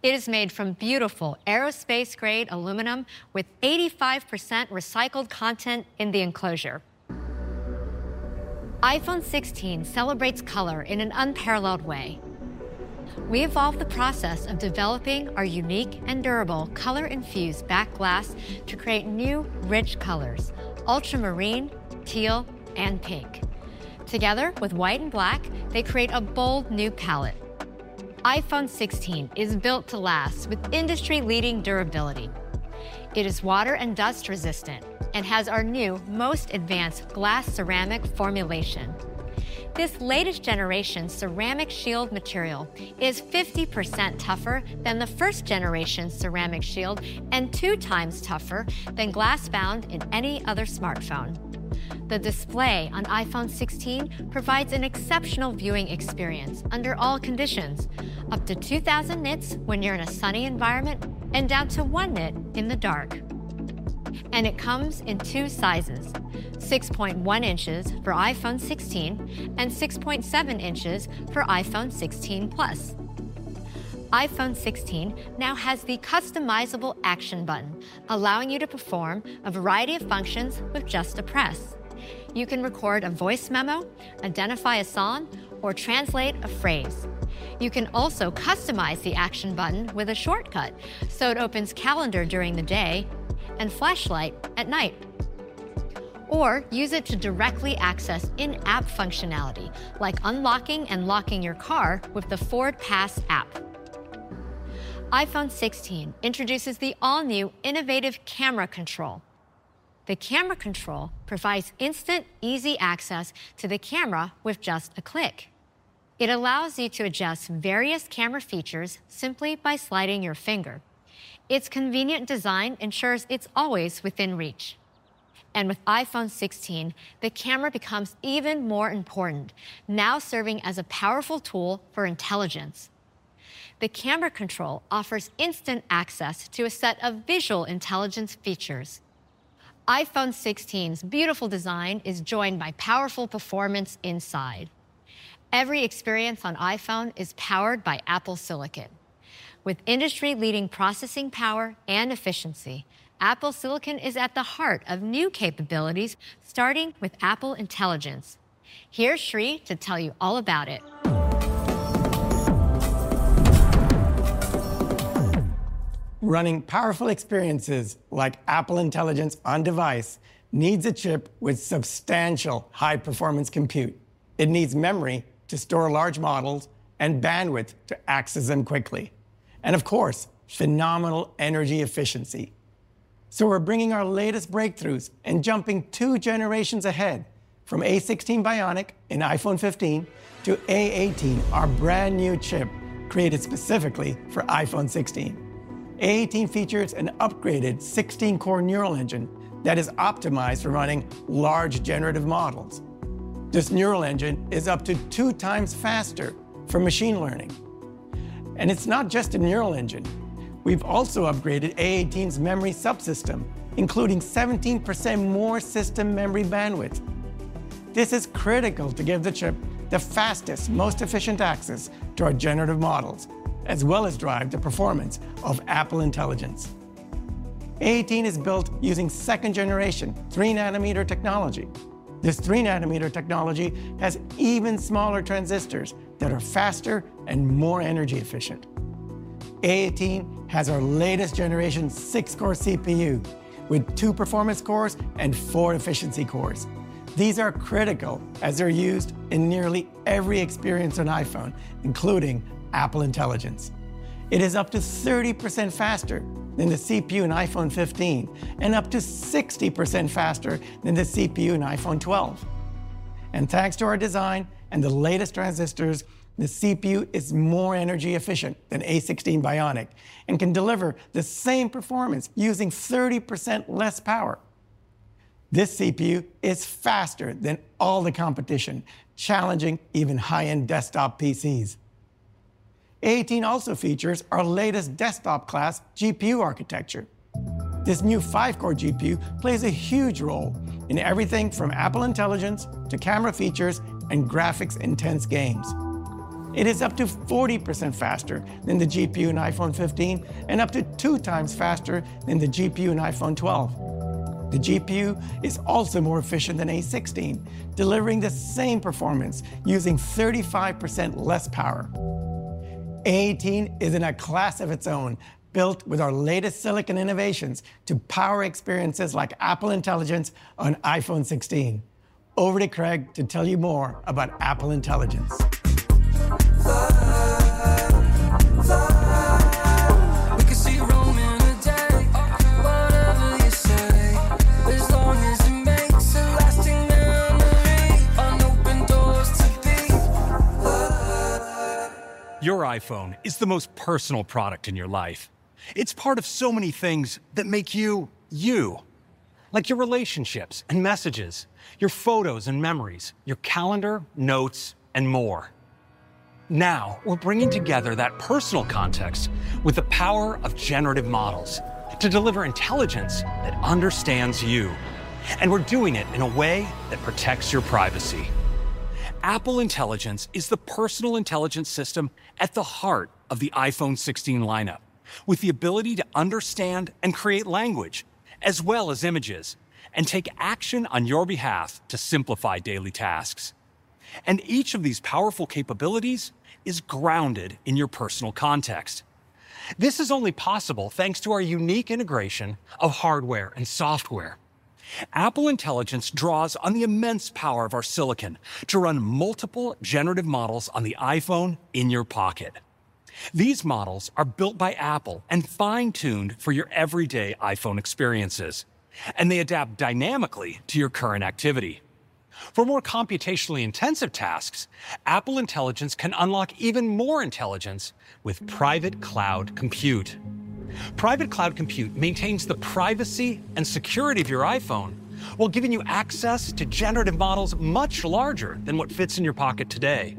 It is made from beautiful aerospace-grade aluminum with 85% recycled content in the enclosure. iPhone 16 celebrates color in an unparalleled way. We evolved the process of developing our unique and durable color-infused back glass to create new, rich colors: Ultramarine, Teal, and Pink. Together with White and Black, they create a bold new palette. iPhone 16 is built to last with industry-leading durability. It is water and dust resistant and has our new, most advanced glass ceramic formulation. This latest generation Ceramic Shield material is 50% tougher than the first generation Ceramic Shield and two times tougher than glass found in any other smartphone. The display on iPhone 16 provides an exceptional viewing experience under all conditions, up to 2000 nits when you're in a sunny environment and down to one nit in the dark. It comes in two sizes: 6.1 inches for iPhone 16 and 6.7 inches for iPhone 16 Plus. iPhone 16 now has the customizable Action button, allowing you to perform a variety of functions with just a press. You can record a voice memo, identify a song, or translate a phrase. You can also customize the Action button with a shortcut, so it opens Calendar during the day and Flashlight at night. Or use it to directly access in-app functionality, like unlocking and locking your car with the FordPass app. iPhone 16 introduces the all-new innovative Camera Control. The Camera Control provides instant, easy access to the camera with just a click. It allows you to adjust various camera features simply by sliding your finger. Its convenient design ensures it's always within reach. With iPhone 16, the camera becomes even more important, now serving as a powerful tool for intelligence. The Camera Control offers instant access to a set of visual intelligence features. iPhone 16's beautiful design is joined by powerful performance inside. Every experience on iPhone is powered by Apple silicon. With industry-leading processing power and efficiency, Apple silicon is at the heart of new capabilities, starting with Apple Intelligence. Here's Sree to tell you all about it. Running powerful experiences like Apple Intelligence on device needs a chip with substantial high-performance compute. It needs memory to store large models and bandwidth to access them quickly, and of course, phenomenal energy efficiency. So we're bringing our latest breakthroughs and jumping two generations ahead from A16 Bionic in iPhone 15 to A18, our brand-new chip created specifically for iPhone 16. A18 features an upgraded 16-core Neural Engine that is optimized for running large generative models. This Neural Engine is up to two times faster for machine learning and it's not just a Neural Engine. We've also upgraded A18's memory subsystem, including 17% more system memory bandwidth. This is critical to give the chip the fastest, most efficient access to our generative models, as well as drive the performance of Apple Intelligence. A18 is built using second-generation 3-nanometer technology. This three-nanometer technology has even smaller transistors that are faster and more energy efficient. A18 has our latest generation six-core CPU, with two performance cores and four efficiency cores. These are critical, as they're used in nearly every experience on iPhone, including Apple Intelligence. It is up to 30% faster than the CPU in iPhone 15, and up to 60% faster than the CPU in iPhone 12, and thanks to our design and the latest transistors, the CPU is more energy efficient than A16 Bionic, and can deliver the same performance using 30% less power. This CPU is faster than all the competition, challenging even high-end desktop PCs. A18 also features our latest desktop class GPU architecture. This new five-core GPU plays a huge role in everything from Apple Intelligence to camera features, and graphics-intense games. It is up to 40% faster than the GPU in iPhone 15, and up to two times faster than the GPU in iPhone 12. The GPU is also more efficient than A16, delivering the same performance using 35% less power. A18 is in a class of its own, built with our latest silicon innovations to power experiences like Apple Intelligence on iPhone 16. Over to Craig to tell you more about Apple Intelligence. Your iPhone is the most personal product in your life. It's part of so many things that make you, you. Like your relationships and messages, your photos and memories, your calendar, notes, and more. Now, we're bringing together that personal context with the power of generative models to deliver intelligence that understands you, and we're doing it in a way that protects your privacy. Apple Intelligence is the personal intelligence system at the heart of the iPhone 16 lineup, with the ability to understand and create language, as well as images, and take action on your behalf to simplify daily tasks. And each of these powerful capabilities is grounded in your personal context. This is only possible thanks to our unique integration of hardware and software. Apple Intelligence draws on the immense power of our silicon to run multiple generative models on the iPhone in your pocket. These models are built by Apple and fine-tuned for your everyday iPhone experiences, and they adapt dynamically to your current activity. For more computationally intensive tasks, Apple Intelligence can unlock even more intelligence with Private Cloud Compute. Private Cloud Compute maintains the privacy and security of your iPhone, while giving you access to generative models much larger than what fits in your pocket today.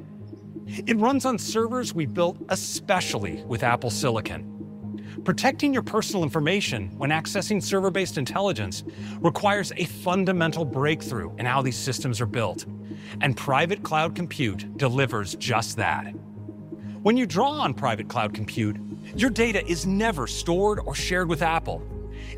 It runs on servers we built especially with Apple silicon. Protecting your personal information when accessing server-based intelligence requires a fundamental breakthrough in how these systems are built, and Private Cloud Compute delivers just that. When you draw on Private Cloud Compute, your data is never stored or shared with Apple.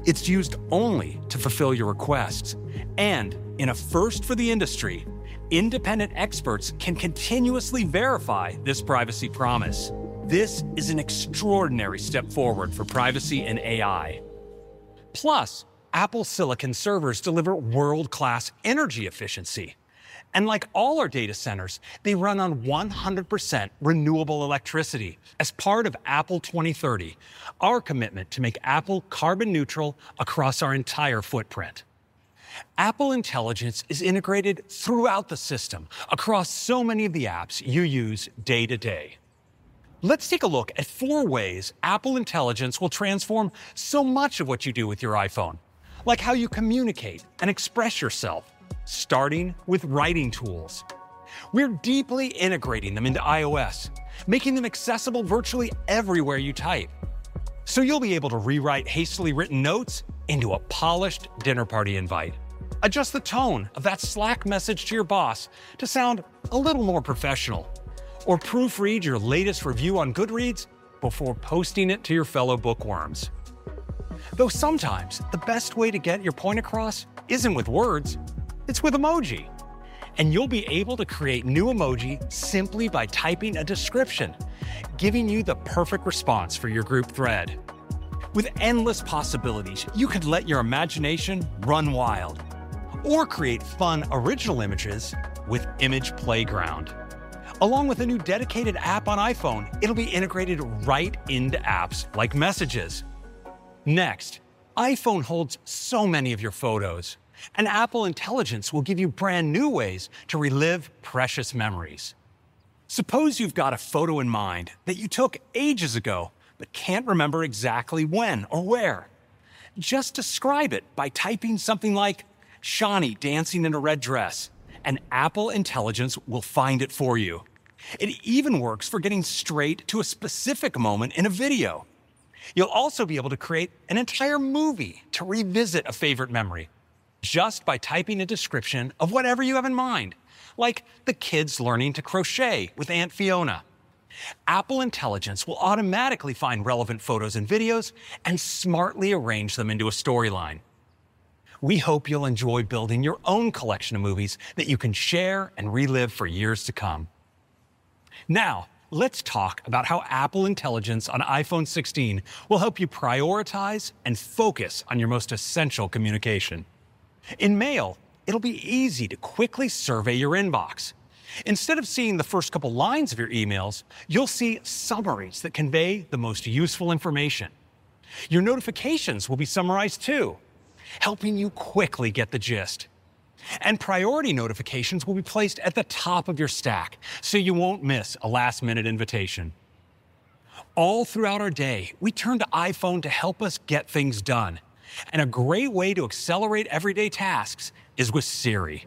It's used only to fulfill your requests, and in a first for the industry, independent experts can continuously verify this privacy promise. This is an extraordinary step forward for privacy and AI. Plus, Apple silicon servers deliver world-class energy efficiency, and like all our data centers, they run on 100% renewable electricity. As part of Apple 2030, our commitment to make Apple carbon neutral across our entire footprint. Apple Intelligence is integrated throughout the system, across so many of the apps you use day to day. Let's take a look at four ways Apple Intelligence will transform so much of what you do with your iPhone, like how you communicate and express yourself, starting with Writing Tools. We're deeply integrating them into iOS, making them accessible virtually everywhere you type. So you'll be able to rewrite hastily written notes into a polished dinner party invite, adjust the tone of that Slack message to your boss to sound a little more professional, or proofread your latest review on Goodreads before posting it to your fellow bookworms. Though sometimes, the best way to get your point across isn't with words, it's with emoji. And you'll be able to create new emoji simply by typing a description, giving you the perfect response for your group thread. With endless possibilities, you could let your imagination run wild, or create fun, original images with Image Playground. Along with a new dedicated app on iPhone, it'll be integrated right into apps like Messages. Next, iPhone holds so many of your photos, and Apple Intelligence will give you brand-new ways to relive precious memories. Suppose you've got a photo in mind that you took ages ago, but can't remember exactly when or where? Just describe it by typing something like, "Shawnee dancing in a red dress," and Apple Intelligence will find it for you. It even works for getting straight to a specific moment in a video. You'll also be able to create an entire movie to revisit a favorite memory, just by typing a description of whatever you have in mind, like, "The kids learning to crochet with Aunt Fiona." Apple Intelligence will automatically find relevant photos and videos, and smartly arrange them into a storyline. We hope you'll enjoy building your own collection of movies that you can share and relive for years to come. Now, let's talk about how Apple Intelligence on iPhone 16 will help you prioritize and focus on your most essential communication. In Mail, it'll be easy to quickly survey your inbox. Instead of seeing the first couple lines of your emails, you'll see summaries that convey the most useful information. Your notifications will be summarized, too, helping you quickly get the gist. Priority Notifications will be placed at the top of your stack, so you won't miss a last-minute invitation. All throughout our day, we turn to iPhone to help us get things done, and a great way to accelerate everyday tasks is with Siri.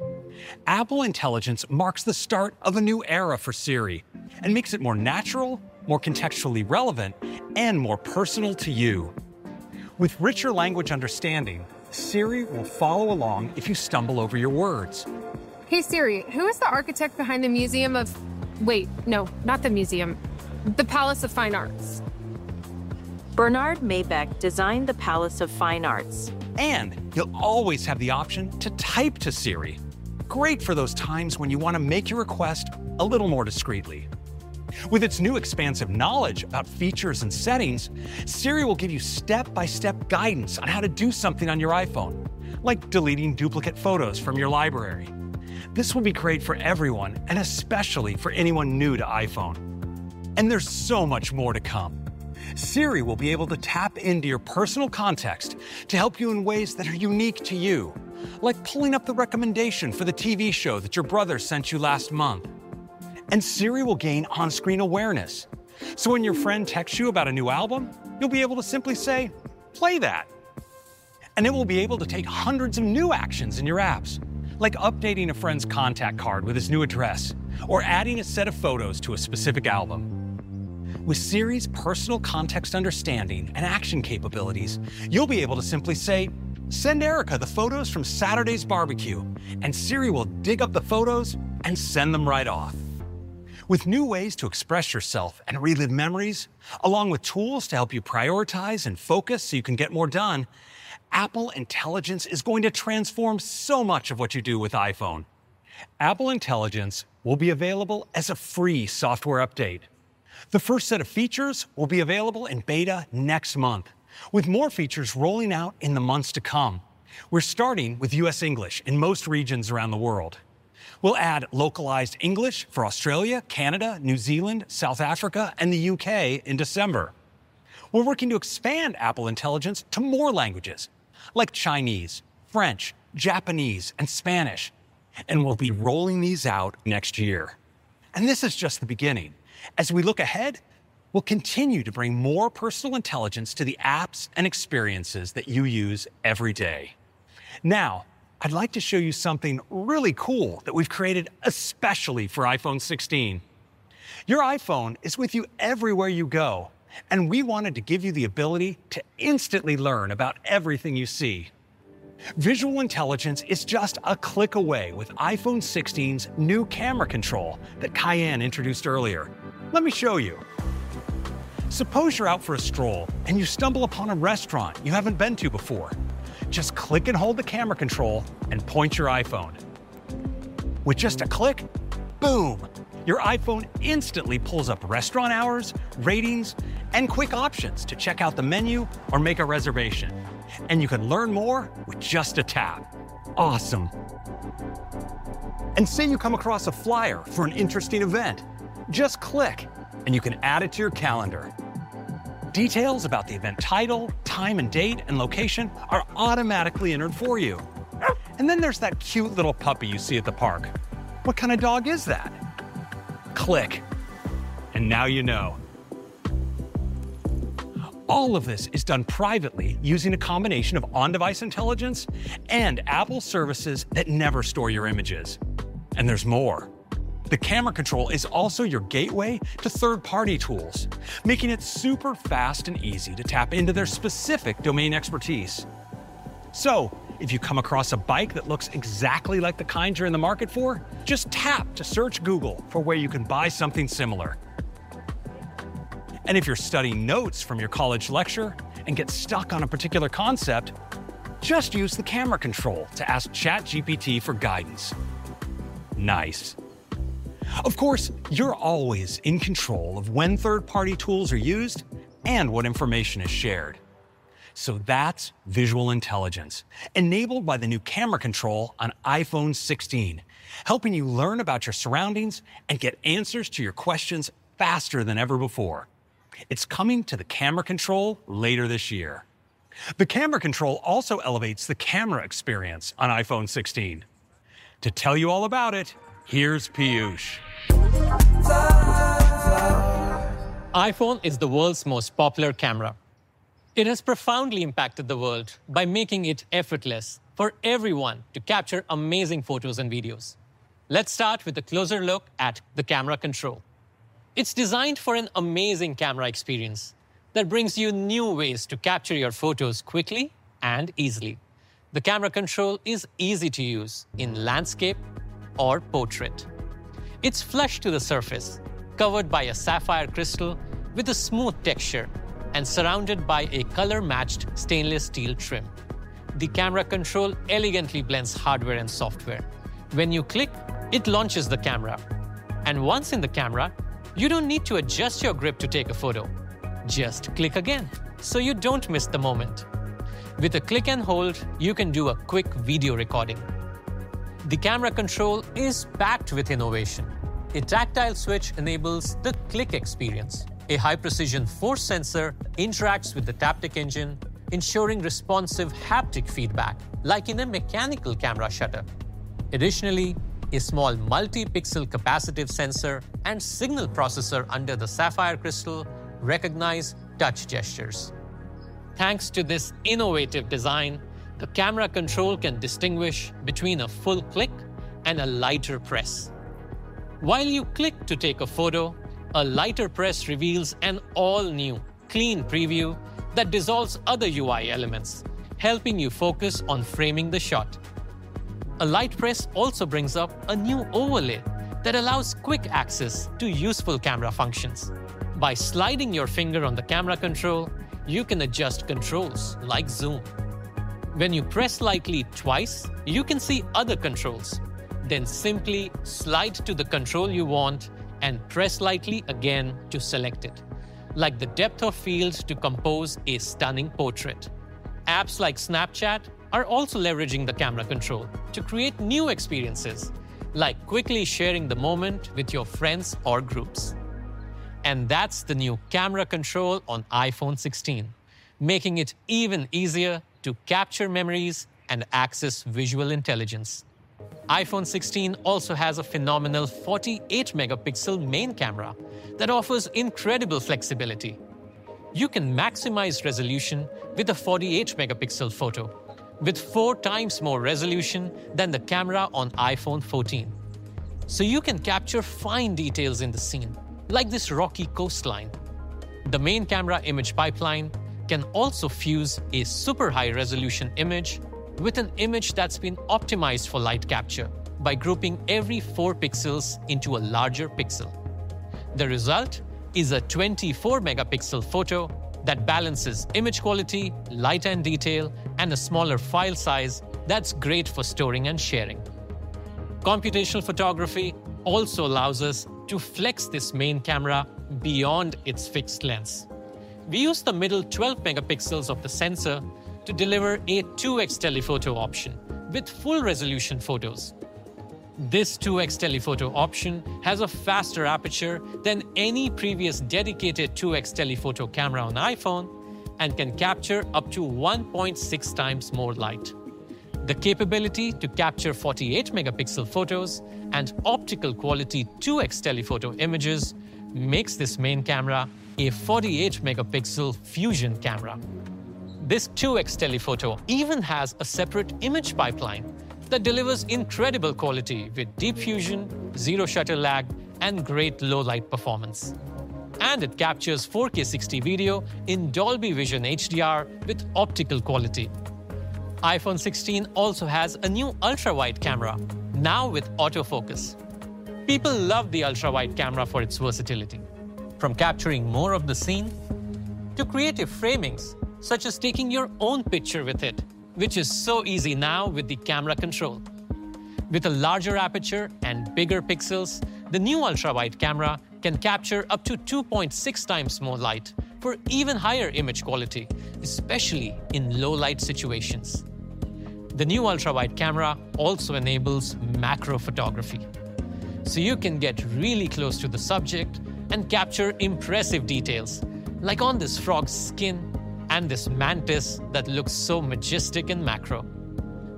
Apple Intelligence marks the start of a new era for Siri, and makes it more natural, more contextually relevant, and more personal to you. With richer language understanding, Siri will follow along if you stumble over your words. Hey, Siri, who is the architect behind the Museum of... Wait, no, not the museum. The Palace of Fine Arts. Bernard Maybeck designed the Palace of Fine Arts. You'll always have the option to type to Siri. Great for those times when you want to make your request a little more discreetly. With its new expansive knowledge about features and settings, Siri will give you step-by-step guidance on how to do something on your iPhone, like deleting duplicate photos from your library. This will be great for everyone, and especially for anyone new to iPhone. There's so much more to come. Siri will be able to tap into your personal context to help you in ways that are unique to you, like pulling up the recommendation for the TV show that your brother sent you last month. And Siri will gain on-screen awareness, so when your friend texts you about a new album, you'll be able to simply say, "Play that." And it will be able to take hundreds of new actions in your apps, like updating a friend's contact card with his new address, or adding a set of photos to a specific album. With Siri's personal context understanding and action capabilities, you'll be able to simply say, "Send Erica the photos from Saturday's barbecue," and Siri will dig up the photos and send them right off. With new ways to express yourself and relive memories, along with tools to help you prioritize and focus so you can get more done, Apple Intelligence is going to transform so much of what you do with iPhone. Apple Intelligence will be available as a free software update. The first set of features will be available in beta next month, with more features rolling out in the months to come. We're starting with U.S. English in most regions around the world. We'll add localized English for Australia, Canada, New Zealand, South Africa, and the U.K. in December. We're working to expand Apple Intelligence to more languages, like Chinese, French, Japanese, and Spanish, and we'll be rolling these out next year. And this is just the beginning. As we look ahead, we'll continue to bring more personal intelligence to the apps and experiences that you use every day. Now, I'd like to show you something really cool that we've created especially for iPhone 16. Your iPhone is with you everywhere you go, and we wanted to give you the ability to instantly learn about everything you see. Visual intelligence is just a click away with iPhone 16's new Camera Control that Kaiann introduced earlier. Let me show you. Suppose you're out for a stroll and you stumble upon a restaurant you haven't been to before. Just click and hold the Camera Control and point your iPhone. With just a click, boom! Your iPhone instantly pulls up restaurant hours, ratings, and quick options to check out the menu or make a reservation. And you can learn more with just a tap. Awesome. And say you come across a flyer for an interesting event. Just click and you can add it to your calendar. Details about the event title, time and date, and location are automatically entered for you. And then there's that cute little puppy you see at the park. What kind of dog is that? Click, and now you know. All of this is done privately, using a combination of on-device intelligence and Apple services that never store your images. And there's more. The Camera Control is also your gateway to third-party tools, making it super fast and easy to tap into their specific domain expertise. So if you come across a bike that looks exactly like the kind you're in the market for, just tap to search Google for where you can buy something similar. And if you're studying notes from your college lecture and get stuck on a particular concept, just use the Camera Control to ask ChatGPT for guidance. Nice. Of course, you're always in control of when third-party tools are used and what information is shared. So that's visual intelligence, enabled by the new Camera Control on iPhone 16, helping you learn about your surroundings and get answers to your questions faster than ever before. It's coming to the Camera Control later this year. The Camera Control also elevates the camera experience on iPhone 16. To tell you all about it, here's Piyush. iPhone is the world's most popular camera. It has profoundly impacted the world by making it effortless for everyone to capture amazing photos and videos. Let's start with a closer look at the Camera Control. It's designed for an amazing camera experience that brings you new ways to capture your photos quickly and easily. The Camera Control is easy to use in landscape or portrait. It's flush to the surface, covered by a sapphire crystal with a smooth texture, and surrounded by a color-matched stainless steel trim. The Camera Control elegantly blends hardware and software. When you click, it launches the camera, and once in the camera, you don't need to adjust your grip to take a photo. Just click again, so you don't miss the moment. With a click and hold, you can do a quick video recording. The Camera Control is packed with innovation. A tactile switch enables the click experience. A high-precision force sensor interacts with the Taptic Engine, ensuring responsive haptic feedback, like in a mechanical camera shutter. Additionally, a small multi-pixel capacitive sensor and signal processor under the sapphire crystal recognize touch gestures. Thanks to this innovative design, the Camera Control can distinguish between a full click and a lighter press. While you click to take a photo, a lighter press reveals an all-new clean preview that dissolves other UI elements, helping you focus on framing the shot. A light press also brings up a new overlay that allows quick access to useful camera functions. By sliding your finger on the Camera Control, you can adjust controls like zoom. When you press lightly twice, you can see other controls, then simply slide to the control you want and press lightly again to select it, like the depth of field to compose a stunning portrait. Apps like Snapchat are also leveraging the Camera Control to create new experiences, like quickly sharing the moment with your friends or groups, and that's the new Camera Control on iPhone 16, making it even easier to capture memories and access visual intelligence. iPhone 16 also has a phenomenal 48-megapixel main camera that offers incredible flexibility. You can maximize resolution with a 48-megapixel photo, with four times more resolution than the camera on iPhone 14, so you can capture fine details in the scene, like this rocky coastline. The main camera image pipeline can also fuse a super high-resolution image with an image that's been optimized for light capture by grouping every four pixels into a larger pixel. The result is a 24-megapixel photo that balances image quality, light, and detail, and a smaller file size that's great for storing and sharing. Computational photography also allows us to flex this main camera beyond its fixed lens. We use the middle 12 megapixels of the sensor to deliver a 2x Telephoto option with full-resolution photos. This 2x Telephoto option has a faster aperture than any previous dedicated 2x Telephoto camera on iPhone and can capture up to 1.6 times more light. The capability to capture 48-megapixel photos and optical quality 2x Telephoto images makes this main camera a 48-megapixel Fusion camera. This 2x Telephoto even has a separate image pipeline that delivers incredible quality with Deep Fusion, zero shutter lag, and great low-light performance, and it captures 4K 60 video in Dolby Vision HDR with optical quality. iPhone 16 also has a new Ultra Wide camera, now with autofocus. People love the Ultra Wide camera for its versatility, from capturing more of the scene to creative framings, such as taking your own picture with it, which is so easy now with the Camera Control. With a larger aperture and bigger pixels, the new Ultra Wide camera can capture up to 2.6 times more light for even higher image quality, especially in low-light situations. The new Ultra Wide camera also enables macro photography, so you can get really close to the subject and capture impressive details, like on this frog's skin and this mantis that looks so majestic in macro.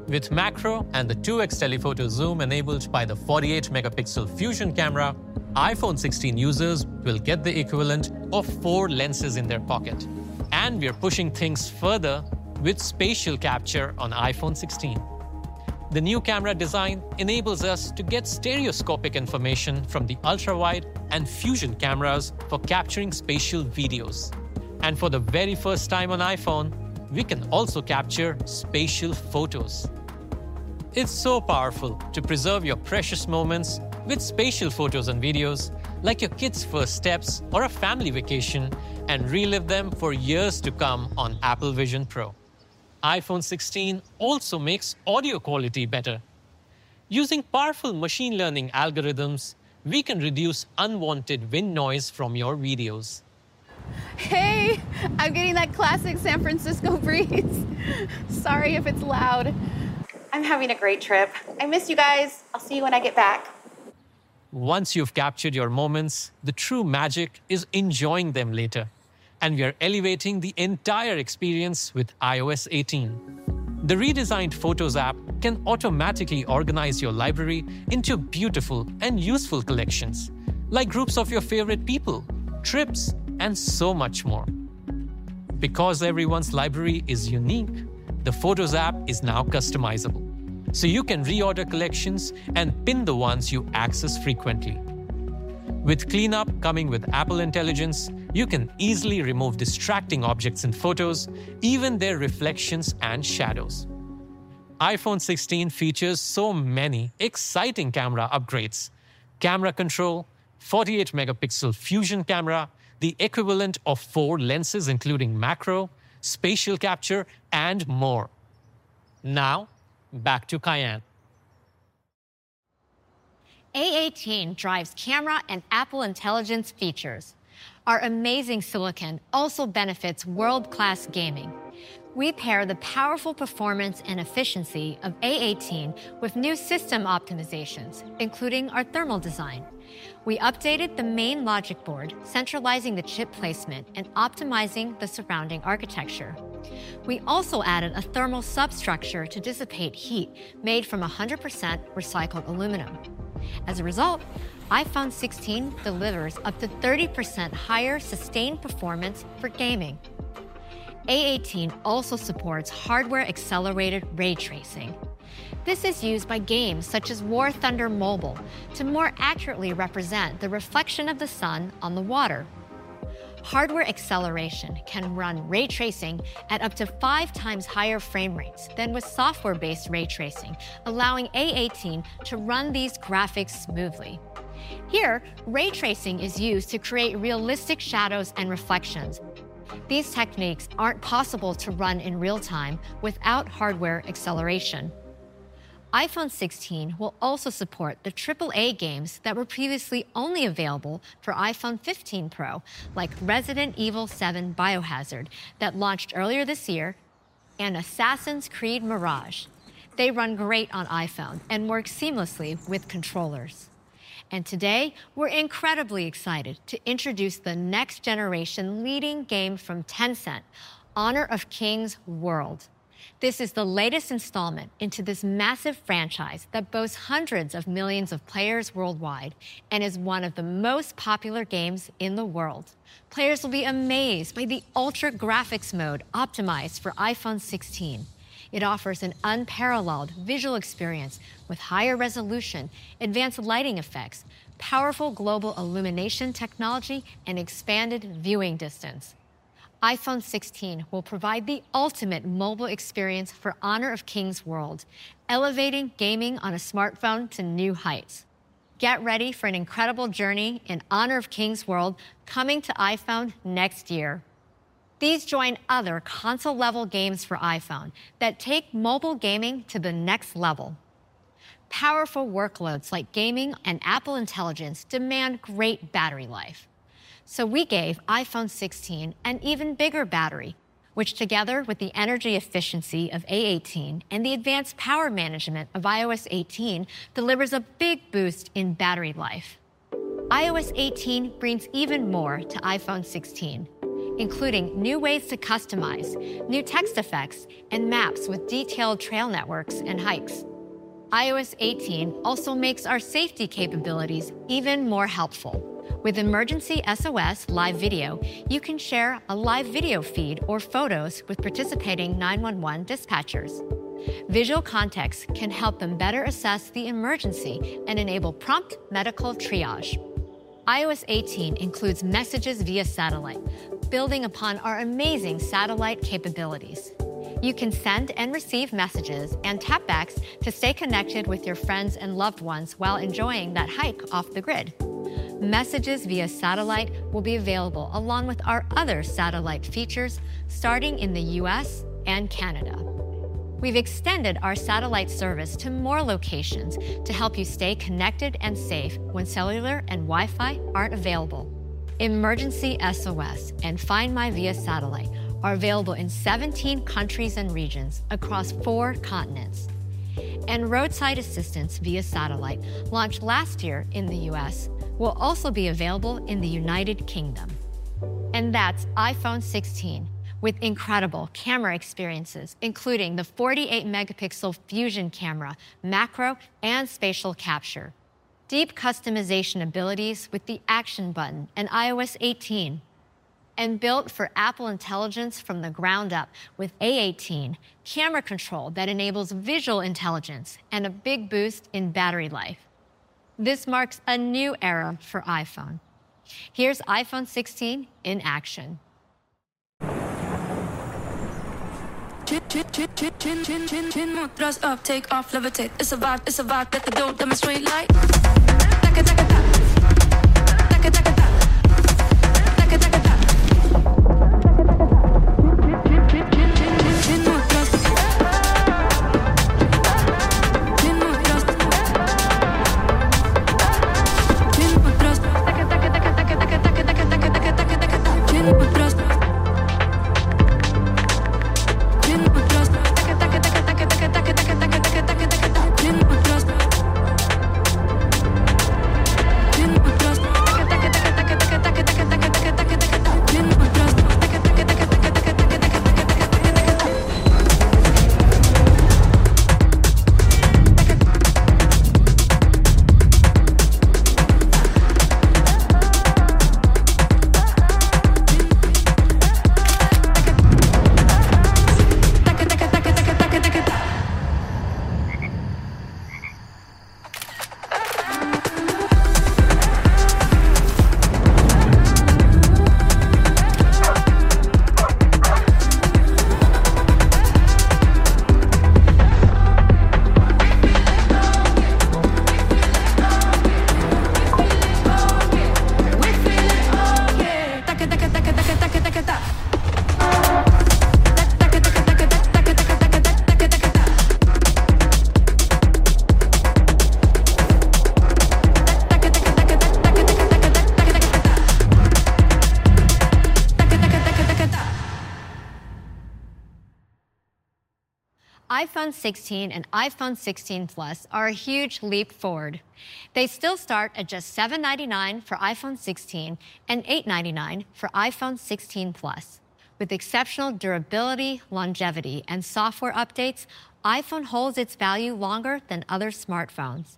With macro and the 2x Telephoto zoom enabled by the 48-megapixel Fusion camera, iPhone 16 users will get the equivalent of four lenses in their pocket. And we are pushing things further with spatial capture on iPhone 16. The new camera design enables us to get stereoscopic information from the Ultra Wide and Fusion cameras for capturing spatial videos, and for the very first time on iPhone, we can also capture spatial photos. It's so powerful to preserve your precious moments with spatial photos and videos, like your kid's first steps or a family vacation, and relive them for years to come on Apple Vision Pro. iPhone 16 also makes audio quality better. Using powerful machine learning algorithms, we can reduce unwanted wind noise from your videos. Hey, I'm getting that classic San Francisco breeze. Sorry if it's loud. I'm having a great trip. I miss you guys. I'll see you when I get back. Once you've captured your moments, the true magic is enjoying them later and we are elevating the entire experience with iOS 18. The redesigned Photos app can automatically organize your library into beautiful and useful collections, like groups of your favorite people, trips, and so much more. Because everyone's library is unique, the Photos app is now customizable, so you can reorder collections and pin the ones you access frequently. With Clean Up coming with Apple Intelligence, you can easily remove distracting objects in photos, even their reflections and shadows. iPhone 16 features so many exciting camera upgrades: Camera Control, 48-megapixel Fusion camera, the equivalent of four lenses, including macro, spatial capture, and more. Now, back to Kaiann. A18 drives camera and Apple Intelligence features. Our amazing silicon also benefits world-class gaming. We pair the powerful performance and efficiency of A18 with new system optimizations, including our thermal design. We updated the main logic board, centralizing the chip placement and optimizing the surrounding architecture. We also added a thermal substructure to dissipate heat, made from 100% recycled aluminum. As a result, iPhone 16 delivers up to 30% higher sustained performance for gaming. A18 also supports hardware-accelerated ray tracing. This is used by games such as War Thunder Mobile to more accurately represent the reflection of the sun on the water. Hardware acceleration can run ray tracing at up to five times higher frame rates than with software-based ray tracing, allowing A18 to run these graphics smoothly. Here, ray tracing is used to create realistic shadows and reflections. These techniques aren't possible to run in real time without hardware acceleration. iPhone 16 will also support the triple-A games that were previously only available for iPhone 15 Pro, like Resident Evil 7 Biohazard, that launched earlier this year, and Assassin's Creed Mirage. They run great on iPhone and work seamlessly with controllers. Today, we're incredibly excited to introduce the next-generation leading game from Tencent, Honor of Kings: World. This is the latest installment into this massive franchise that boasts hundreds of millions of players worldwide and is one of the most popular games in the world. Players will be amazed by the ultra graphics mode optimized for iPhone 16. It offers an unparalleled visual experience with higher resolution, advanced lighting effects, powerful global illumination technology, and expanded viewing distance. iPhone 16 will provide the ultimate mobile experience for Honor of Kings: World, elevating gaming on a smartphone to new heights. Get ready for an incredible journey in Honor of Kings: World, coming to iPhone next year. These join other console-level games for iPhone that take mobile gaming to the next level. Powerful workloads like gaming and Apple Intelligence demand great battery life, so we gave iPhone 16 an even bigger battery, which, together with the energy efficiency of A18 and the advanced power management of iOS 18, delivers a big boost in battery life. iOS 18 brings even more to iPhone 16, including new ways to customize, new text effects, and maps with detailed trail networks and hikes. iOS 18 also makes our safety capabilities even more helpful. With Emergency SOS Live Video, you can share a live video feed or photos with participating 911 dispatchers. Visual context can help them better assess the emergency and enable prompt medical triage. iOS 18 includes Messages via satellite, building upon our amazing satellite capabilities. You can send and receive to stay connected with your friends and loved ones while enjoying that hike off the grid. Messages via satellite will be available along with our other satellite features, starting in the U.S. and Canada. We've extended our satellite service to more locations to help you stay connected and safe when cellular and Wi-Fi aren't available. Emergency SOS and Find My via satellite are available in 17 countries and regions across four continents, and Roadside Assistance via satellite, launched last year in the U.S., will also be available in the United Kingdom. That's iPhone 16, with incredible camera experiences, including the 48-megapixel Fusion camera, macro and spatial capture, deep customization abilities with the Action button and iOS 18, and built for Apple Intelligence from the ground up with A18, Camera Control that enables visual intelligence, and a big boost in battery life. This marks a new era for iPhone. Here's iPhone 16 in action. iPhone 16 and iPhone 16 Plus are a huge leap forward. They still start at just $799 for iPhone 16 and $899 for iPhone 16 Plus. With exceptional durability, longevity, and software updates, iPhone holds its value longer than other smartphones,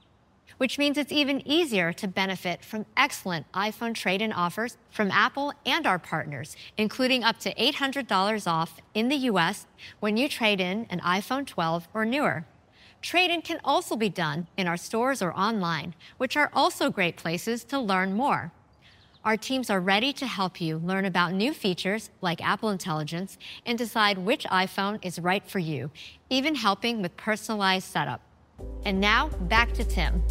which means it's even easier to benefit from excellent iPhone trade-in offers from Apple and our partners, including up to $800 off in the U.S. when you trade in an iPhone 12 or newer. Trade-in can also be done in our stores or online, which are also great places to learn more. Our teams are ready to help you learn about new features, like Apple Intelligence, and decide which iPhone is right for you, even helping with personalized setup. And now, back to Tim.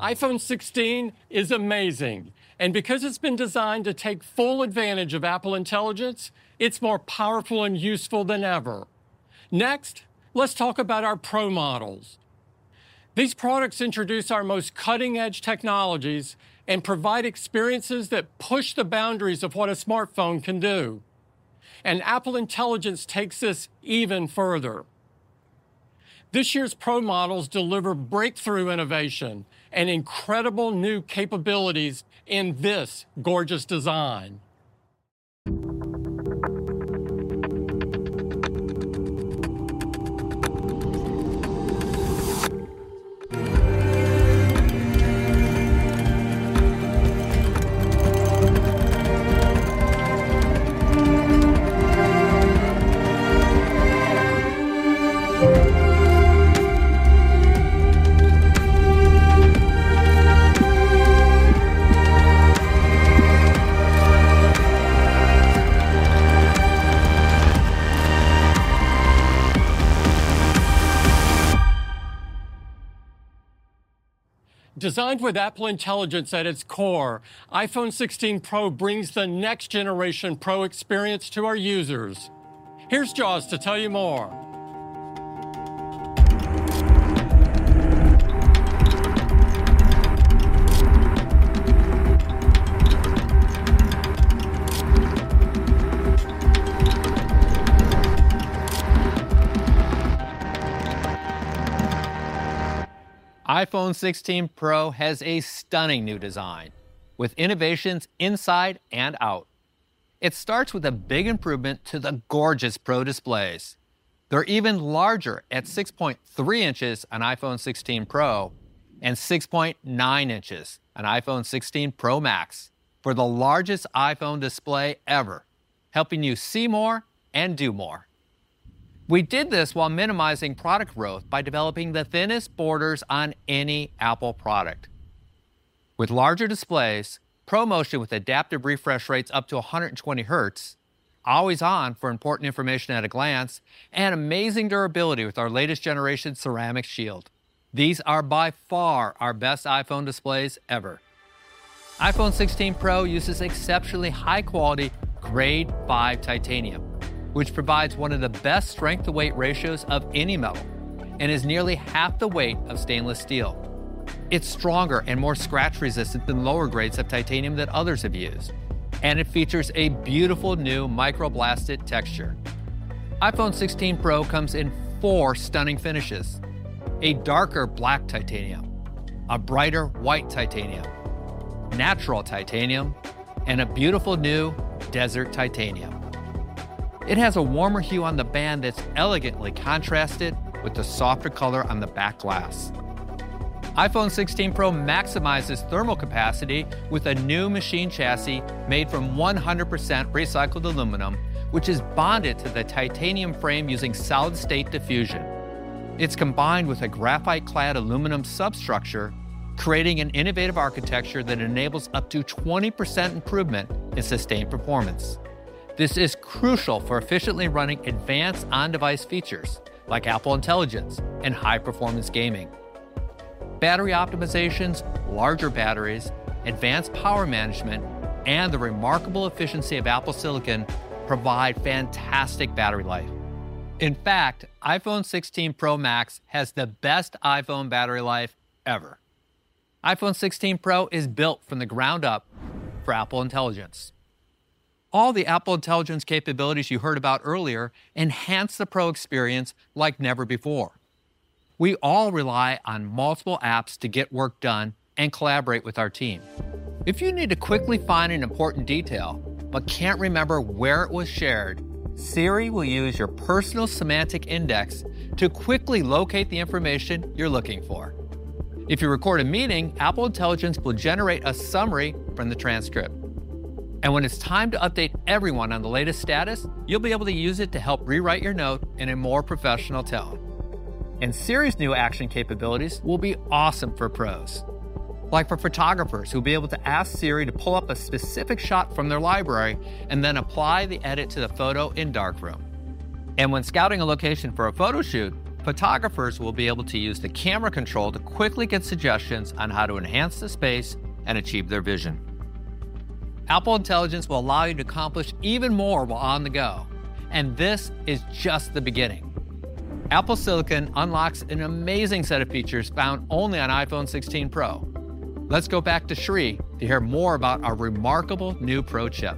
iPhone 16 is amazing, and because it's been designed to take full advantage of Apple Intelligence, it's more powerful and useful than ever. Next, let's talk about our Pro models. These products introduce our most cutting-edge technologies and provide experiences that push the boundaries of what a smartphone can do, and Apple Intelligence takes this even further. This year's Pro models deliver breakthrough innovation and incredible new capabilities in this gorgeous design. Designed with Apple Intelligence at its core, iPhone 16 Pro brings the next-generation Pro experience to our users. Here's Joz to tell you more. iPhone 16 Pro has a stunning new design, with innovations inside and out. It starts with a big improvement to the gorgeous Pro displays. They're even larger, at 6.3 inches on iPhone 16 Pro and 6.9 inches on iPhone 16 Pro Max, for the largest iPhone display ever, helping you see more and do more. We did this while minimizing product growth by developing the thinnest borders on any Apple product. With larger displays, ProMotion with adaptive refresh rates up to 120 hertz, always on for important information at a glance, and amazing durability with our latest generation Ceramic Shield, these are by far our best iPhone displays ever. iPhone 16 Pro uses exceptionally high-quality Grade 5 titanium, which provides one of the best strength-to-weight ratios of any metal and is nearly half the weight of stainless steel. It's stronger and more scratch-resistant than lower grades of titanium that others have used, and it features a beautiful new microblasted texture. iPhone 16 Pro comes in four stunning finishes: a darker Black Titanium, a brighter White Titanium, Natural Titanium, and a beautiful new Desert Titanium. It has a warmer hue on the band that's elegantly contrasted with the softer color on the back glass. iPhone 16 Pro maximizes thermal capacity with a new machined chassis made from 100% recycled aluminum, which is bonded to the titanium frame using solid-state diffusion. It's combined with a graphite-clad aluminum substructure, creating an innovative architecture that enables up to 20% improvement in sustained performance. This is crucial for efficiently running advanced on-device features, like Apple Intelligence and high-performance gaming. Battery optimizations, larger batteries, advanced power management, and the remarkable efficiency of Apple silicon provide fantastic battery life. In fact, iPhone 16 Pro Max has the best iPhone battery life ever. iPhone 16 Pro is built from the ground up for Apple Intelligence. All the Apple Intelligence capabilities you heard about earlier enhance the Pro experience like never before. We all rely on multiple apps to get work done and collaborate with our team. If you need to quickly find an important detail, but can't remember where it was shared, Siri will use your personal semantic index to quickly locate the information you're looking for. If you record a meeting, Apple Intelligence will generate a summary from the transcript, and when it's time to update everyone on the latest status, you'll be able to use it to help rewrite your note in a more professional tone. Siri's new action capabilities will be awesome for pros, like for photographers who'll be able to ask Siri to pull up a specific shot from their library, and then apply the edit to the photo in Darkroom. When scouting a location for a photo shoot, photographers will be able to use the Camera Control to quickly get suggestions on how to enhance the space and achieve their vision. Apple Intelligence will allow you to accomplish even more while on the go, and this is just the beginning. Apple silicon unlocks an amazing set of features found only on iPhone 16 Pro. Let's go back to Sree to hear more about our remarkable new Pro chip.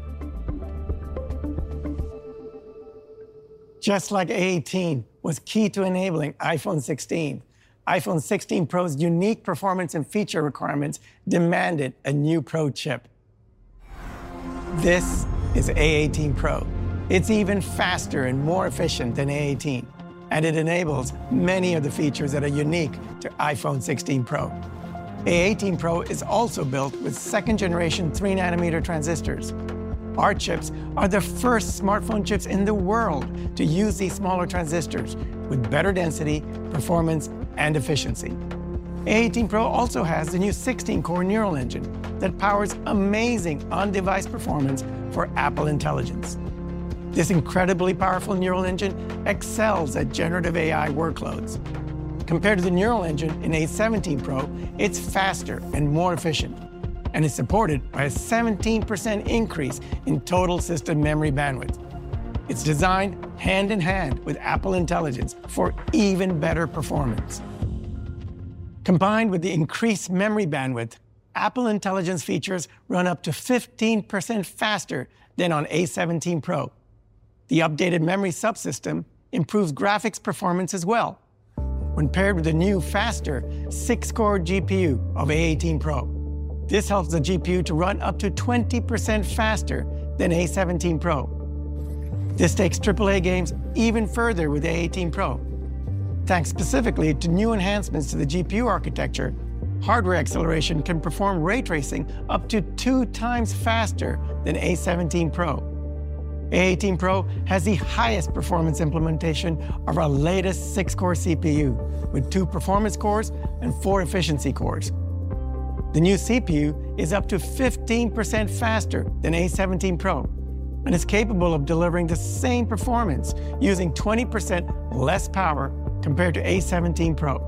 Just like A18 was key to enabling iPhone 16, iPhone 16 Pro's unique performance and feature requirements demanded a new Pro chip. This is A18 Pro. It's even faster and more efficient than A18, and it enables many of the features that are unique to iPhone 16 Pro. A18 Pro is also built with second generation three-nanometer transistors. Our chips are the first smartphone chips in the world to use these smaller transistors with better density, performance, and efficiency. A18 Pro also has the new 16-core Neural Engine that powers amazing on-device performance for Apple Intelligence. This incredibly powerful Neural Engine excels at generative AI workloads. Compared to the Neural Engine in A17 Pro, it's faster and more efficient, and it's supported by a 17% increase in total system memory bandwidth. It's designed hand-in-hand with Apple Intelligence for even better performance. Combined with the increased memory bandwidth, Apple Intelligence features run up to 15% faster than on A17 Pro. The updated memory subsystem improves graphics performance as well. When paired with the new, faster six-core GPU of A18 Pro, this helps the GPU to run up to 20% faster than A17 Pro. This takes triple-A games even further with A18 Pro. Thanks specifically to new enhancements to the GPU architecture, hardware acceleration can perform ray tracing up to two times faster than A17 Pro. A18 Pro has the highest performance implementation of our latest six-core CPU, with two performance cores and four efficiency cores. The new CPU is up to 15% faster than A17 Pro, and is capable of delivering the same performance using 20% less power compared to A17 Pro.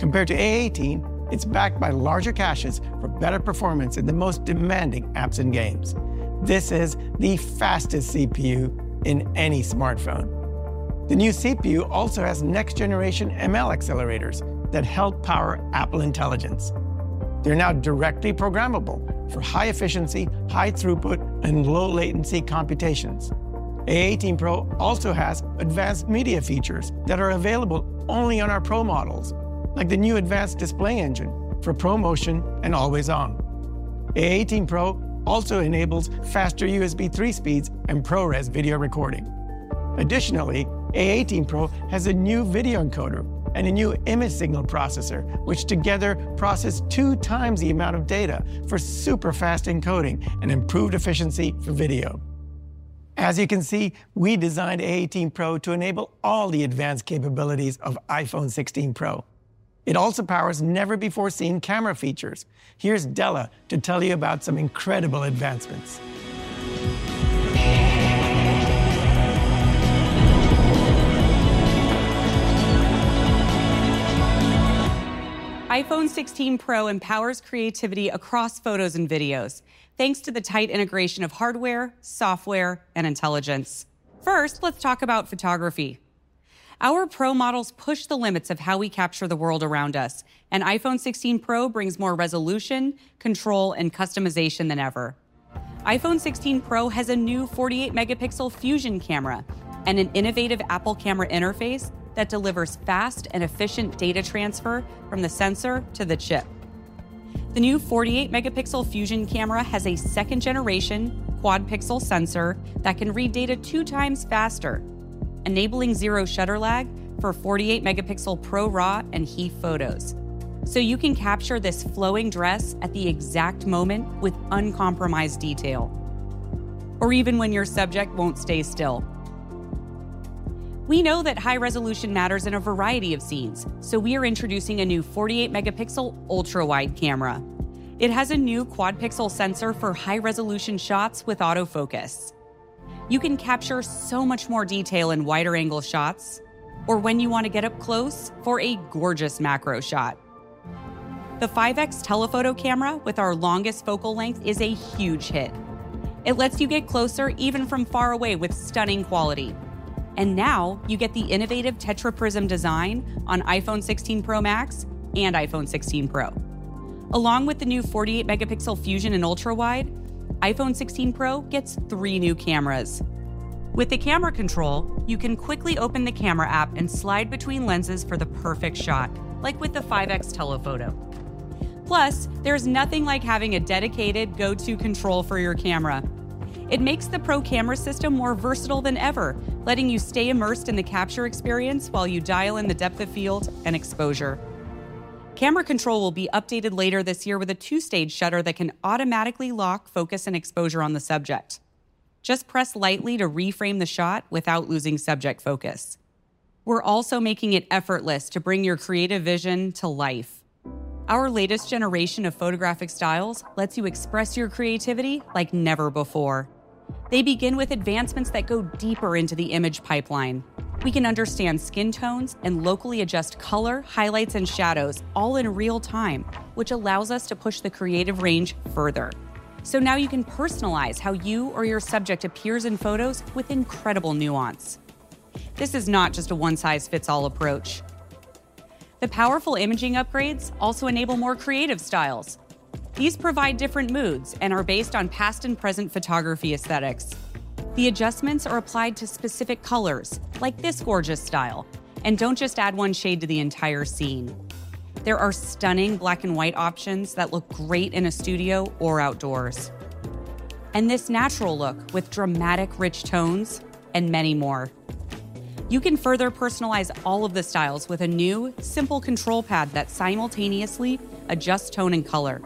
Compared to A18, it's backed by larger caches for better performance in the most demanding apps and games. This is the fastest CPU in any smartphone. The new CPU also has next-generation ML accelerators that help power Apple Intelligence. They're now directly programmable for high efficiency, high throughput, and low latency computations. A18 Pro also has advanced media features that are available only on our Pro models, like the new advanced display engine for ProMotion and Always-On. A18 Pro also enables faster USB 3 speeds and ProRes video recording. Additionally, A18 Pro has a new video encoder and a new image signal processor, which together process two times the amount of data for super fast encoding and improved efficiency for video. As you can see, we designed A18 Pro to enable all the advanced capabilities of iPhone 16 Pro. It also powers never-before-seen camera features. Here's Della to tell you about some incredible advancements. iPhone 16 Pro empowers creativity across photos and videos, thanks to the tight integration of hardware, software, and intelligence. First, let's talk about photography. Our Pro models push the limits of how we capture the world around us, and iPhone 16 Pro brings more resolution, control, and customization than ever. iPhone 16 Pro has a new 48-megapixel Fusion camera, and an innovative Apple camera interface that delivers fast and efficient data transfer from the sensor to the chip. The new 48-megapixel Fusion camera has a second-generation quad-pixel sensor that can read data two times faster, enabling zero shutter lag for 48-megapixel ProRAW and HEIF photos, so you can capture this flowing dress at the exact moment with uncompromised detail, or even when your subject won't stay still. We know that high resolution matters in a variety of scenes, so we are introducing a new 48-megapixel Ultra Wide camera. It has a new quad-pixel sensor for high-resolution shots with autofocus. You can capture so much more detail in wider angle shots, or when you want to get up close for a gorgeous macro shot. The 5x Telephoto camera, with our longest focal length, is a huge hit. It lets you get closer, even from far away, with stunning quality, and now you get the innovative tetraprism design on iPhone 16 Pro Max and iPhone 16 Pro. Along with the new 48-megapixel Fusion and Ultra Wide, iPhone 16 Pro gets three new cameras. With the Camera Control, you can quickly open the Camera app and slide between lenses for the perfect shot, like with the 5x Telephoto. Plus, there's nothing like having a dedicated go-to control for your camera. It makes the Pro camera system more versatile than ever, letting you stay immersed in the capture experience while you dial in the depth of field and exposure. Camera Control will be updated later this year with a two-stage shutter that can automatically lock, focus, and exposure on the subject. Just press lightly to reframe the shot without losing subject focus. We're also making it effortless to bring your creative vision to life. Our latest generation of Photographic Styles lets you express your creativity like never before. They begin with advancements that go deeper into the image pipeline. We can understand skin tones and locally adjust color, highlights, and shadows, all in real time, which allows us to push the creative range further. So now you can personalize how you or your subject appears in photos with incredible nuance. This is not just a one-size-fits-all approach. The powerful imaging upgrades also enable more creative styles. These provide different moods and are based on past and present photography aesthetics. The adjustments are applied to specific colors, like this gorgeous style, and don't just add one shade to the entire scene. There are stunning Black and White options that look great in a studio or outdoors, and this natural look with dramatic, rich tones, and many more. You can further personalize all of the styles with a new, simple control pad that simultaneously adjusts tone and color,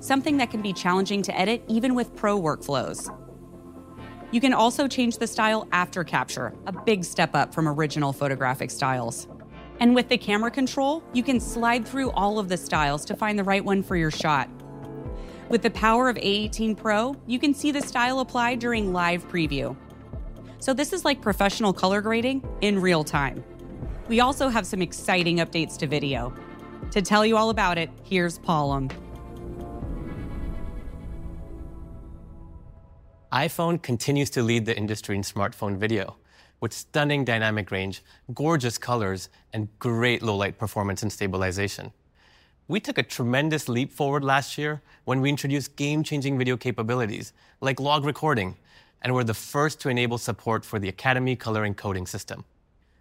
something that can be challenging to edit even with pro workflows. You can also change the style after capture, a big step up from original Photographic Styles. And with the Camera Control, you can slide through all of the styles to find the right one for your shot. With the power of A18 Pro, you can see the style applied during live preview. So this is like professional color grading in real time. We also have some exciting updates to video. To tell you all about it, here's Palan. iPhone continues to lead the industry in smartphone video, with stunning dynamic range, gorgeous colors, and great low-light performance and stabilization. We took a tremendous leap forward last year when we introduced game-changing video capabilities, like log recording, and we're the first to enable support for the Academy Color Encoding System.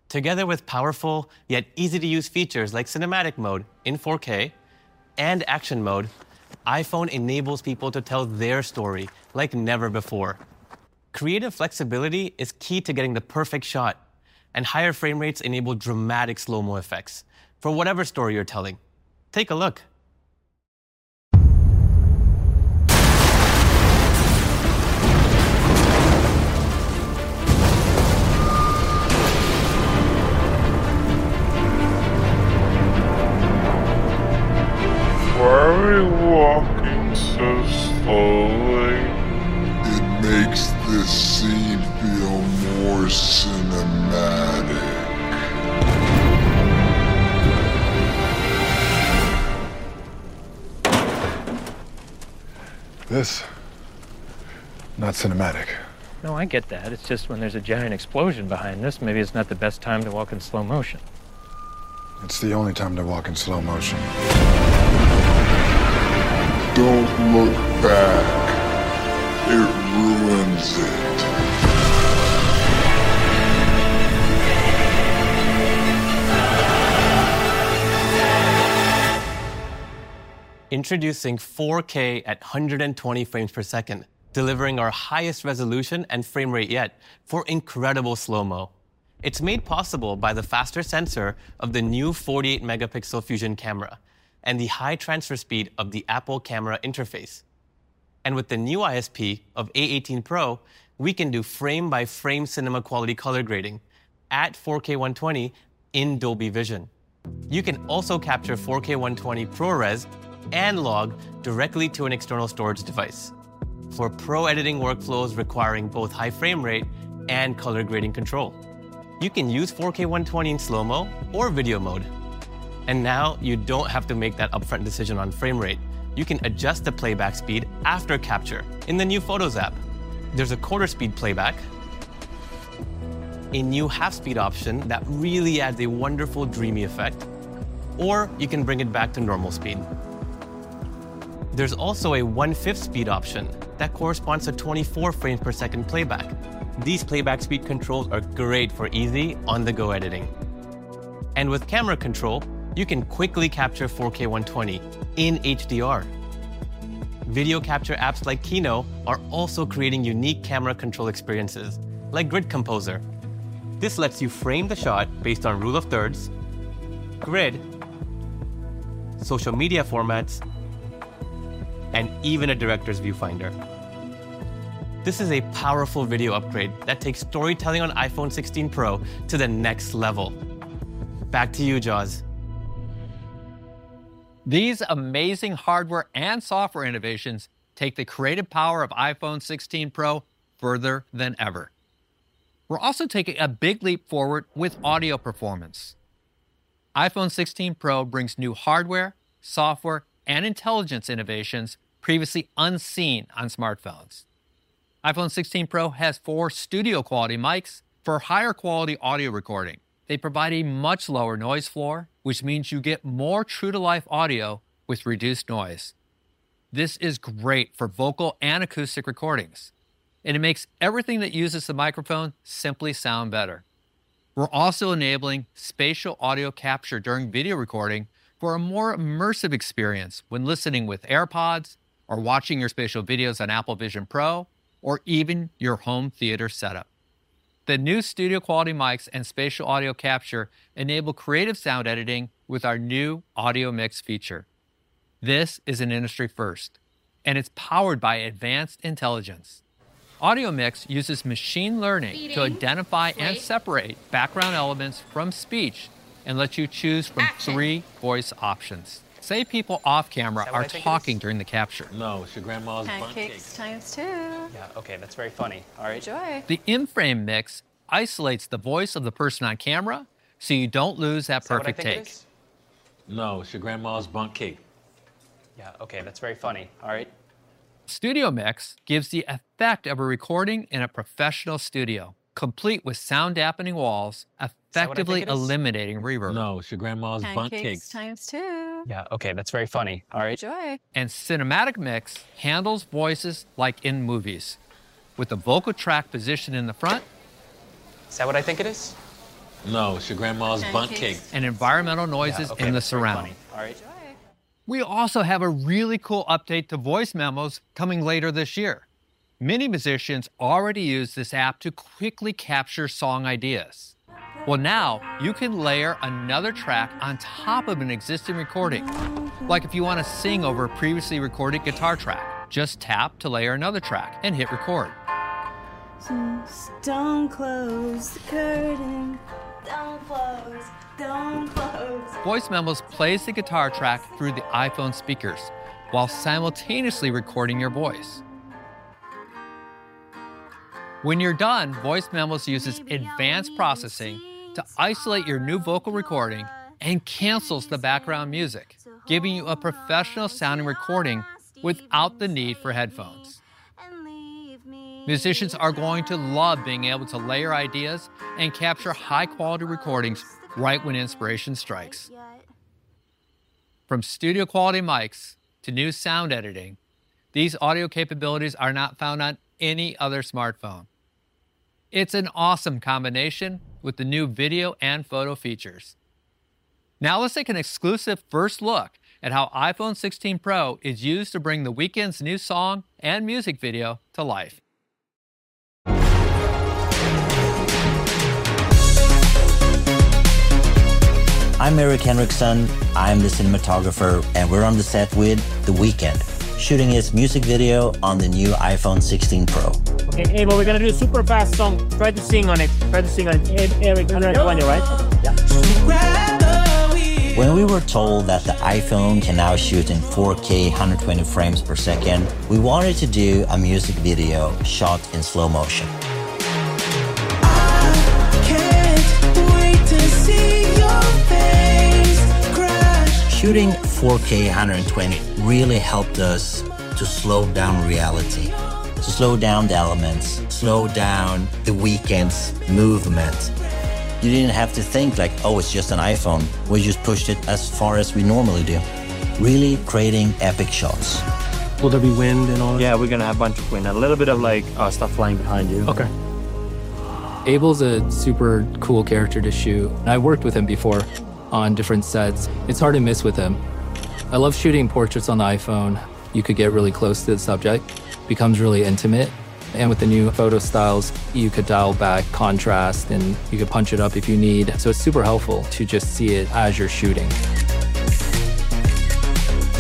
Together with powerful, yet easy-to-use features like Cinematic mode in 4K and Action mode, iPhone enables people to tell their story like never before. Creative flexibility is key to getting the perfect shot, and higher frame rates enable dramatic Slo-Mo effects for whatever story you're telling. Take a look. Why are we walking so slowly? It makes this scene feel more cinematic. This, not cinematic. No, I get that. It's just when there's a giant explosion behind us, maybe it's not the best time to walk in slow motion. It's the only time to walk in slow motion. Don't look back. It ruins it. Introducing 4K at 120 frames per second, delivering our highest resolution and frame rate yet for incredible slow-mo. It's made possible by the faster sensor of the new 48-megapixel Fusion camera and the high transfer speed of the Apple camera interface. And with the new ISP of A18 Pro, we can do frame-by-frame cinema-quality color grading at 4K 120 in Dolby Vision. You can also capture 4K 120 ProRes and log directly to an external storage device for pro editing workflows requiring both high frame rate and color grading control. You can use 4K 120 in Slo-Mo or Video mode, and now you don't have to make that upfront decision on frame rate. You can adjust the playback speed after capture in the new Photos app. There's a quarter speed playback, a new half speed option that really adds a wonderful dreamy effect, or you can bring it back to normal speed. There's also a one-fifth speed option that corresponds to 24 frames per second playback. These playback speed controls are great for easy, on-the-go editing. And with Camera Control, you can quickly capture 4K 120 in HDR. Video capture apps like Kino are also creating unique Camera Control experiences, like Grid Composer. This lets you frame the shot based on rule of thirds, grid, social media formats, and even a director's viewfinder. This is a powerful video upgrade that takes storytelling on iPhone 16 Pro to the next level. Back to you, Joz. These amazing hardware and software innovations take the creative power of iPhone 16 Pro further than ever. We're also taking a big leap forward with audio performance. iPhone 16 Pro brings new hardware, software, and intelligence innovations previously unseen on smartphones. iPhone 16 Pro has four studio-quality mics for higher quality audio recording. They provide a much lower noise floor, which means you get more true-to-life audio with reduced noise. This is great for vocal and acoustic recordings, and it makes everything that uses the microphone simply sound better. We're also enabling Spatial Audio capture during video recording for a more immersive experience when listening with AirPods, or watching your spatial videos on Apple Vision Pro, or even your home theater setup. The new studio-quality mics and Spatial Audio capture enable creative sound editing with our new Audio Mix feature. This is an industry first, and it's powered by advanced intelligence. Audio Mix uses machine learning to identify and separate background elements from speech, and lets you choose from three voice options. Say people off camera are talking during the capture. Is that what I think it is? No, it's your grandma's Bundt cake. Pancakes times two. Yeah, okay, that's very funny. All right. Enjoy. The In-Frame Mix isolates the voice of the person on camera, so you don't lose that perfect take. Is that what I think it is? No, it's your grandma's Bundt cake. Yeah, okay, that's very funny. All right. Studio Mix gives the effect of a recording in a professional studio, complete with sound-dampening walls, effectively eliminating reverb. Is that what I think it is? No, it's your grandma's Bundt cake. Pancakes times two. Yeah, okay, that's very funny. All right. Enjoy. Cinematic Mix handles voices like in movies, with the vocal track positioned in the front. Is that what I think it is? No, it's your grandma's Bundt cake. Pancakes. and environmental noises in the surround. Yeah, okay, that's very funny. All right. Enjoy. We also have a really cool update to Voice Memos coming later this year. Many musicians already use this app to quickly capture song ideas. Now, you can layer another track on top of an existing recording. Like, if you want to sing over a previously recorded guitar track, just tap to layer another track and hit record. Voice Memos plays the guitar track through the iPhone speakers, while simultaneously recording your voice. When you're done, Voice Memos uses advanced processing to isolate your new vocal recording, and cancels the background music, giving you a professional-sounding recording without the need for headphones. Musicians are going to love being able to layer ideas and capture high-quality recordings right when inspiration strikes. From studio-quality mics to new sound editing, these audio capabilities are not found on any other smartphone. It's an awesome combination with the new video and photo features. Now let's take an exclusive first look at how iPhone 16 Pro is used to bring The Weeknd's new song and music video to life. I'm Erik Henriksson. I'm the cinematographer, and we're on the set with The Weeknd, shooting his music video on the new iPhone 16 Pro. Okay, Abel, we're gonna do a super fast song. Try to sing on it. Try to sing on it. Erik, 120, right? Yeah. So grab the wheel. When we were told that the iPhone can now shoot in 4K 120 frames per second, we wanted to do a music video shot in slow motion. I can't wait to see your face crash- Shooting 4K 120 really helped us to slow down reality, to slow down the elements, slow down The Weeknd's movement. You didn't have to think, like, "Oh, it's just an iPhone." We just pushed it as far as we normally do, really creating epic shots. Will there be wind and all? Yeah, we're gonna have a bunch of wind, a little bit of, like, stuff flying behind you. Okay. Abel's a super cool character to shoot, and I've worked with him before on different sets. It's hard to miss with him. I love shooting portraits on the iPhone. You could get really close to the subject. It becomes really intimate, and with the new photo styles, you could dial back contrast, and you could punch it up if you need, so it's super helpful to just see it as you're shooting.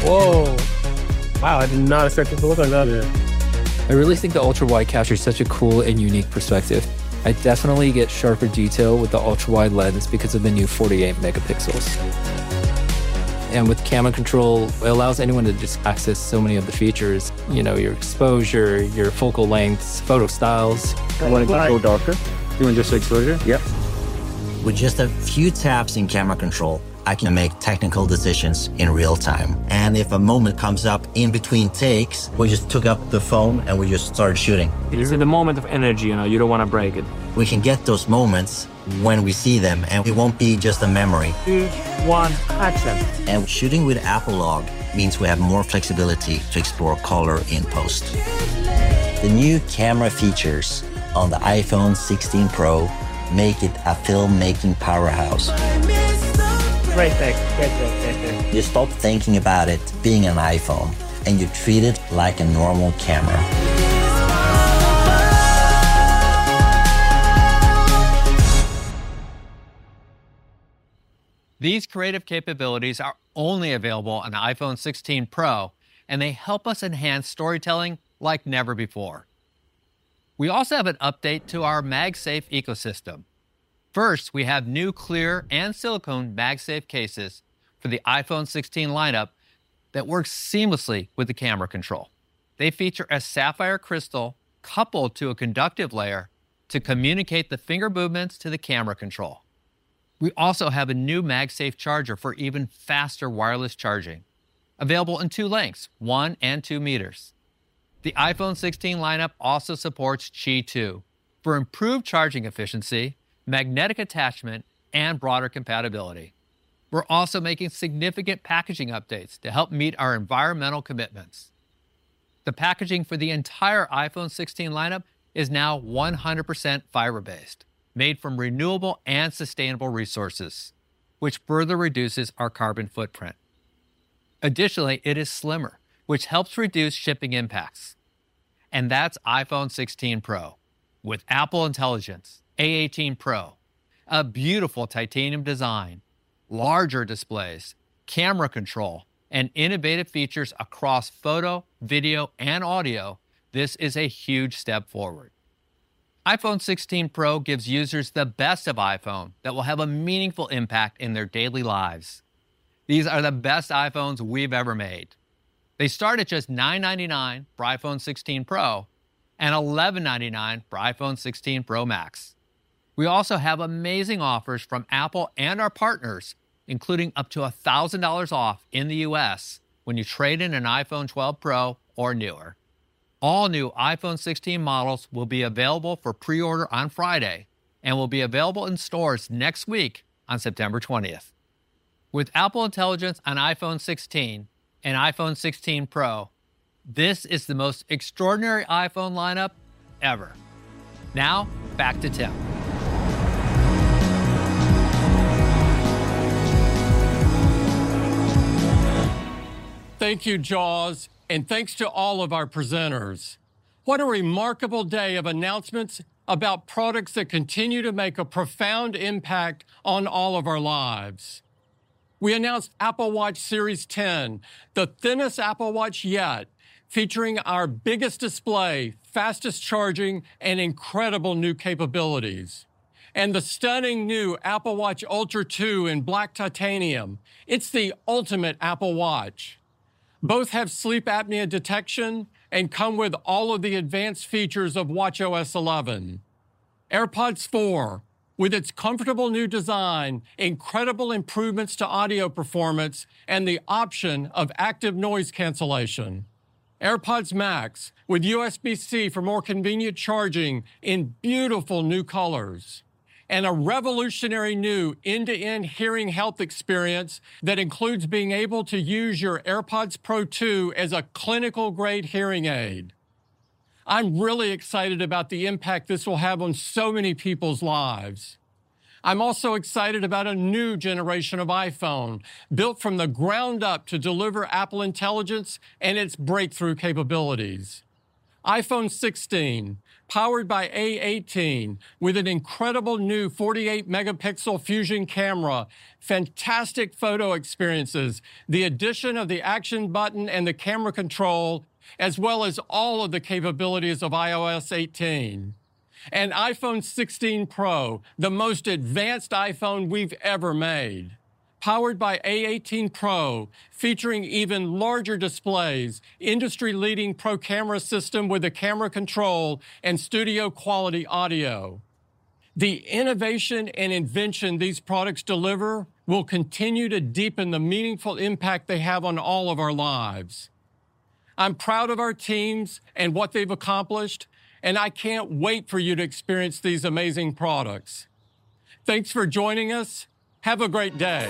Whoa! Wow, I did not expect it to look like that. Yeah. I really think the Ultra Wide captures such a cool and unique perspective. I definitely get sharper detail with the Ultra Wide lens because of the new 48 megapixels. And with Camera Control, it allows anyone to just access so many of the features. You know, your exposure, your focal lengths, photo styles. I want it to go darker. You mean just the exposure? Yep. With just a few taps in Camera Control, I can make technical decisions in real time, and if a moment comes up in between takes, we just pick up the phone, and we just started shooting. It's in the moment of energy, you know? You don't want to break it. We can get those moments when we see them, and it won't be just a memory. Two, one, action. Shooting with Apple Log means we have more flexibility to explore color in post. The new camera features on the iPhone 16 Pro make it a filmmaking powerhouse. But I miss the- Great take. Great job. Okay. You stop thinking about it being an iPhone, and you treat it like a normal camera.... way it was. These creative capabilities are only available on the iPhone 16 Pro, and they help us enhance storytelling like never before. We also have an update to our MagSafe ecosystem. First, we have new clear and silicone MagSafe cases for the iPhone 16 lineup that works seamlessly with the Camera Control. They feature a sapphire crystal coupled to a conductive layer to communicate the finger movements to the Camera Control. We also have a new MagSafe charger for even faster wireless charging, available in two lengths, one and two meters. The iPhone 16 lineup also supports Qi2 for improved charging efficiency, magnetic attachment, and broader compatibility. We're also making significant packaging updates to help meet our environmental commitments. The packaging for the entire iPhone 16 lineup is now 100% fiber-based, made from renewable and sustainable resources, which further reduces our carbon footprint. Additionally, it is slimmer, which helps reduce shipping impacts, and that's iPhone 16 Pro. With Apple Intelligence, A18 Pro, a beautiful titanium design, larger displays, Camera Control, and innovative features across photo, video, and audio, this is a huge step forward. iPhone 16 Pro gives users the best of iPhone that will have a meaningful impact in their daily lives. These are the best iPhones we've ever made. They start at just $999 for iPhone 16 Pro and $1,199 for iPhone 16 Pro Max. We also have amazing offers from Apple and our partners, including up to $1,000 off in the U.S. when you trade in an iPhone 12 Pro or newer. All new iPhone 16 models will be available for pre-order on Friday, and will be available in stores next week on September 20th. With Apple Intelligence on iPhone 16 and iPhone 16 Pro, this is the most extraordinary iPhone lineup ever. Now, back to Tim. Thank you, Joz, and thanks to all of our presenters. What a remarkable day of announcements about products that continue to make a profound impact on all of our lives. We announced Apple Watch Series 10, the thinnest Apple Watch yet, featuring our biggest display, fastest charging, and incredible new capabilities, and the stunning new Apple Watch Ultra 2 in Black titanium. It's the ultimate Apple Watch. Both have sleep apnea detection and come with all of the advanced features of watchOS 11. AirPods 4, with its comfortable new design, incredible improvements to audio performance, and the option of Active Noise Cancellation. AirPods Max, with USB-C for more convenient charging in beautiful new colors, and a revolutionary new end-to-end hearing health experience that includes being able to use your AirPods Pro 2 as a clinical-grade hearing aid. I'm really excited about the impact this will have on so many people's lives. I'm also excited about a new generation of iPhone, built from the ground up to deliver Apple Intelligence and its breakthrough capabilities. iPhone 16, powered by A18, with an incredible new 48-megapixel Fusion camera, fantastic photo experiences, the addition of the Action button and the Camera Control, as well as all of the capabilities of iOS 18, and iPhone 16 Pro, the most advanced iPhone we've ever made, powered by A18 Pro, featuring even larger displays, industry-leading Pro camera system with a Camera Control, and studio-quality audio. The innovation and invention these products deliver will continue to deepen the meaningful impact they have on all of our lives. I'm proud of our teams and what they've accomplished, and I can't wait for you to experience these amazing products. Thanks for joining us. Have a great day.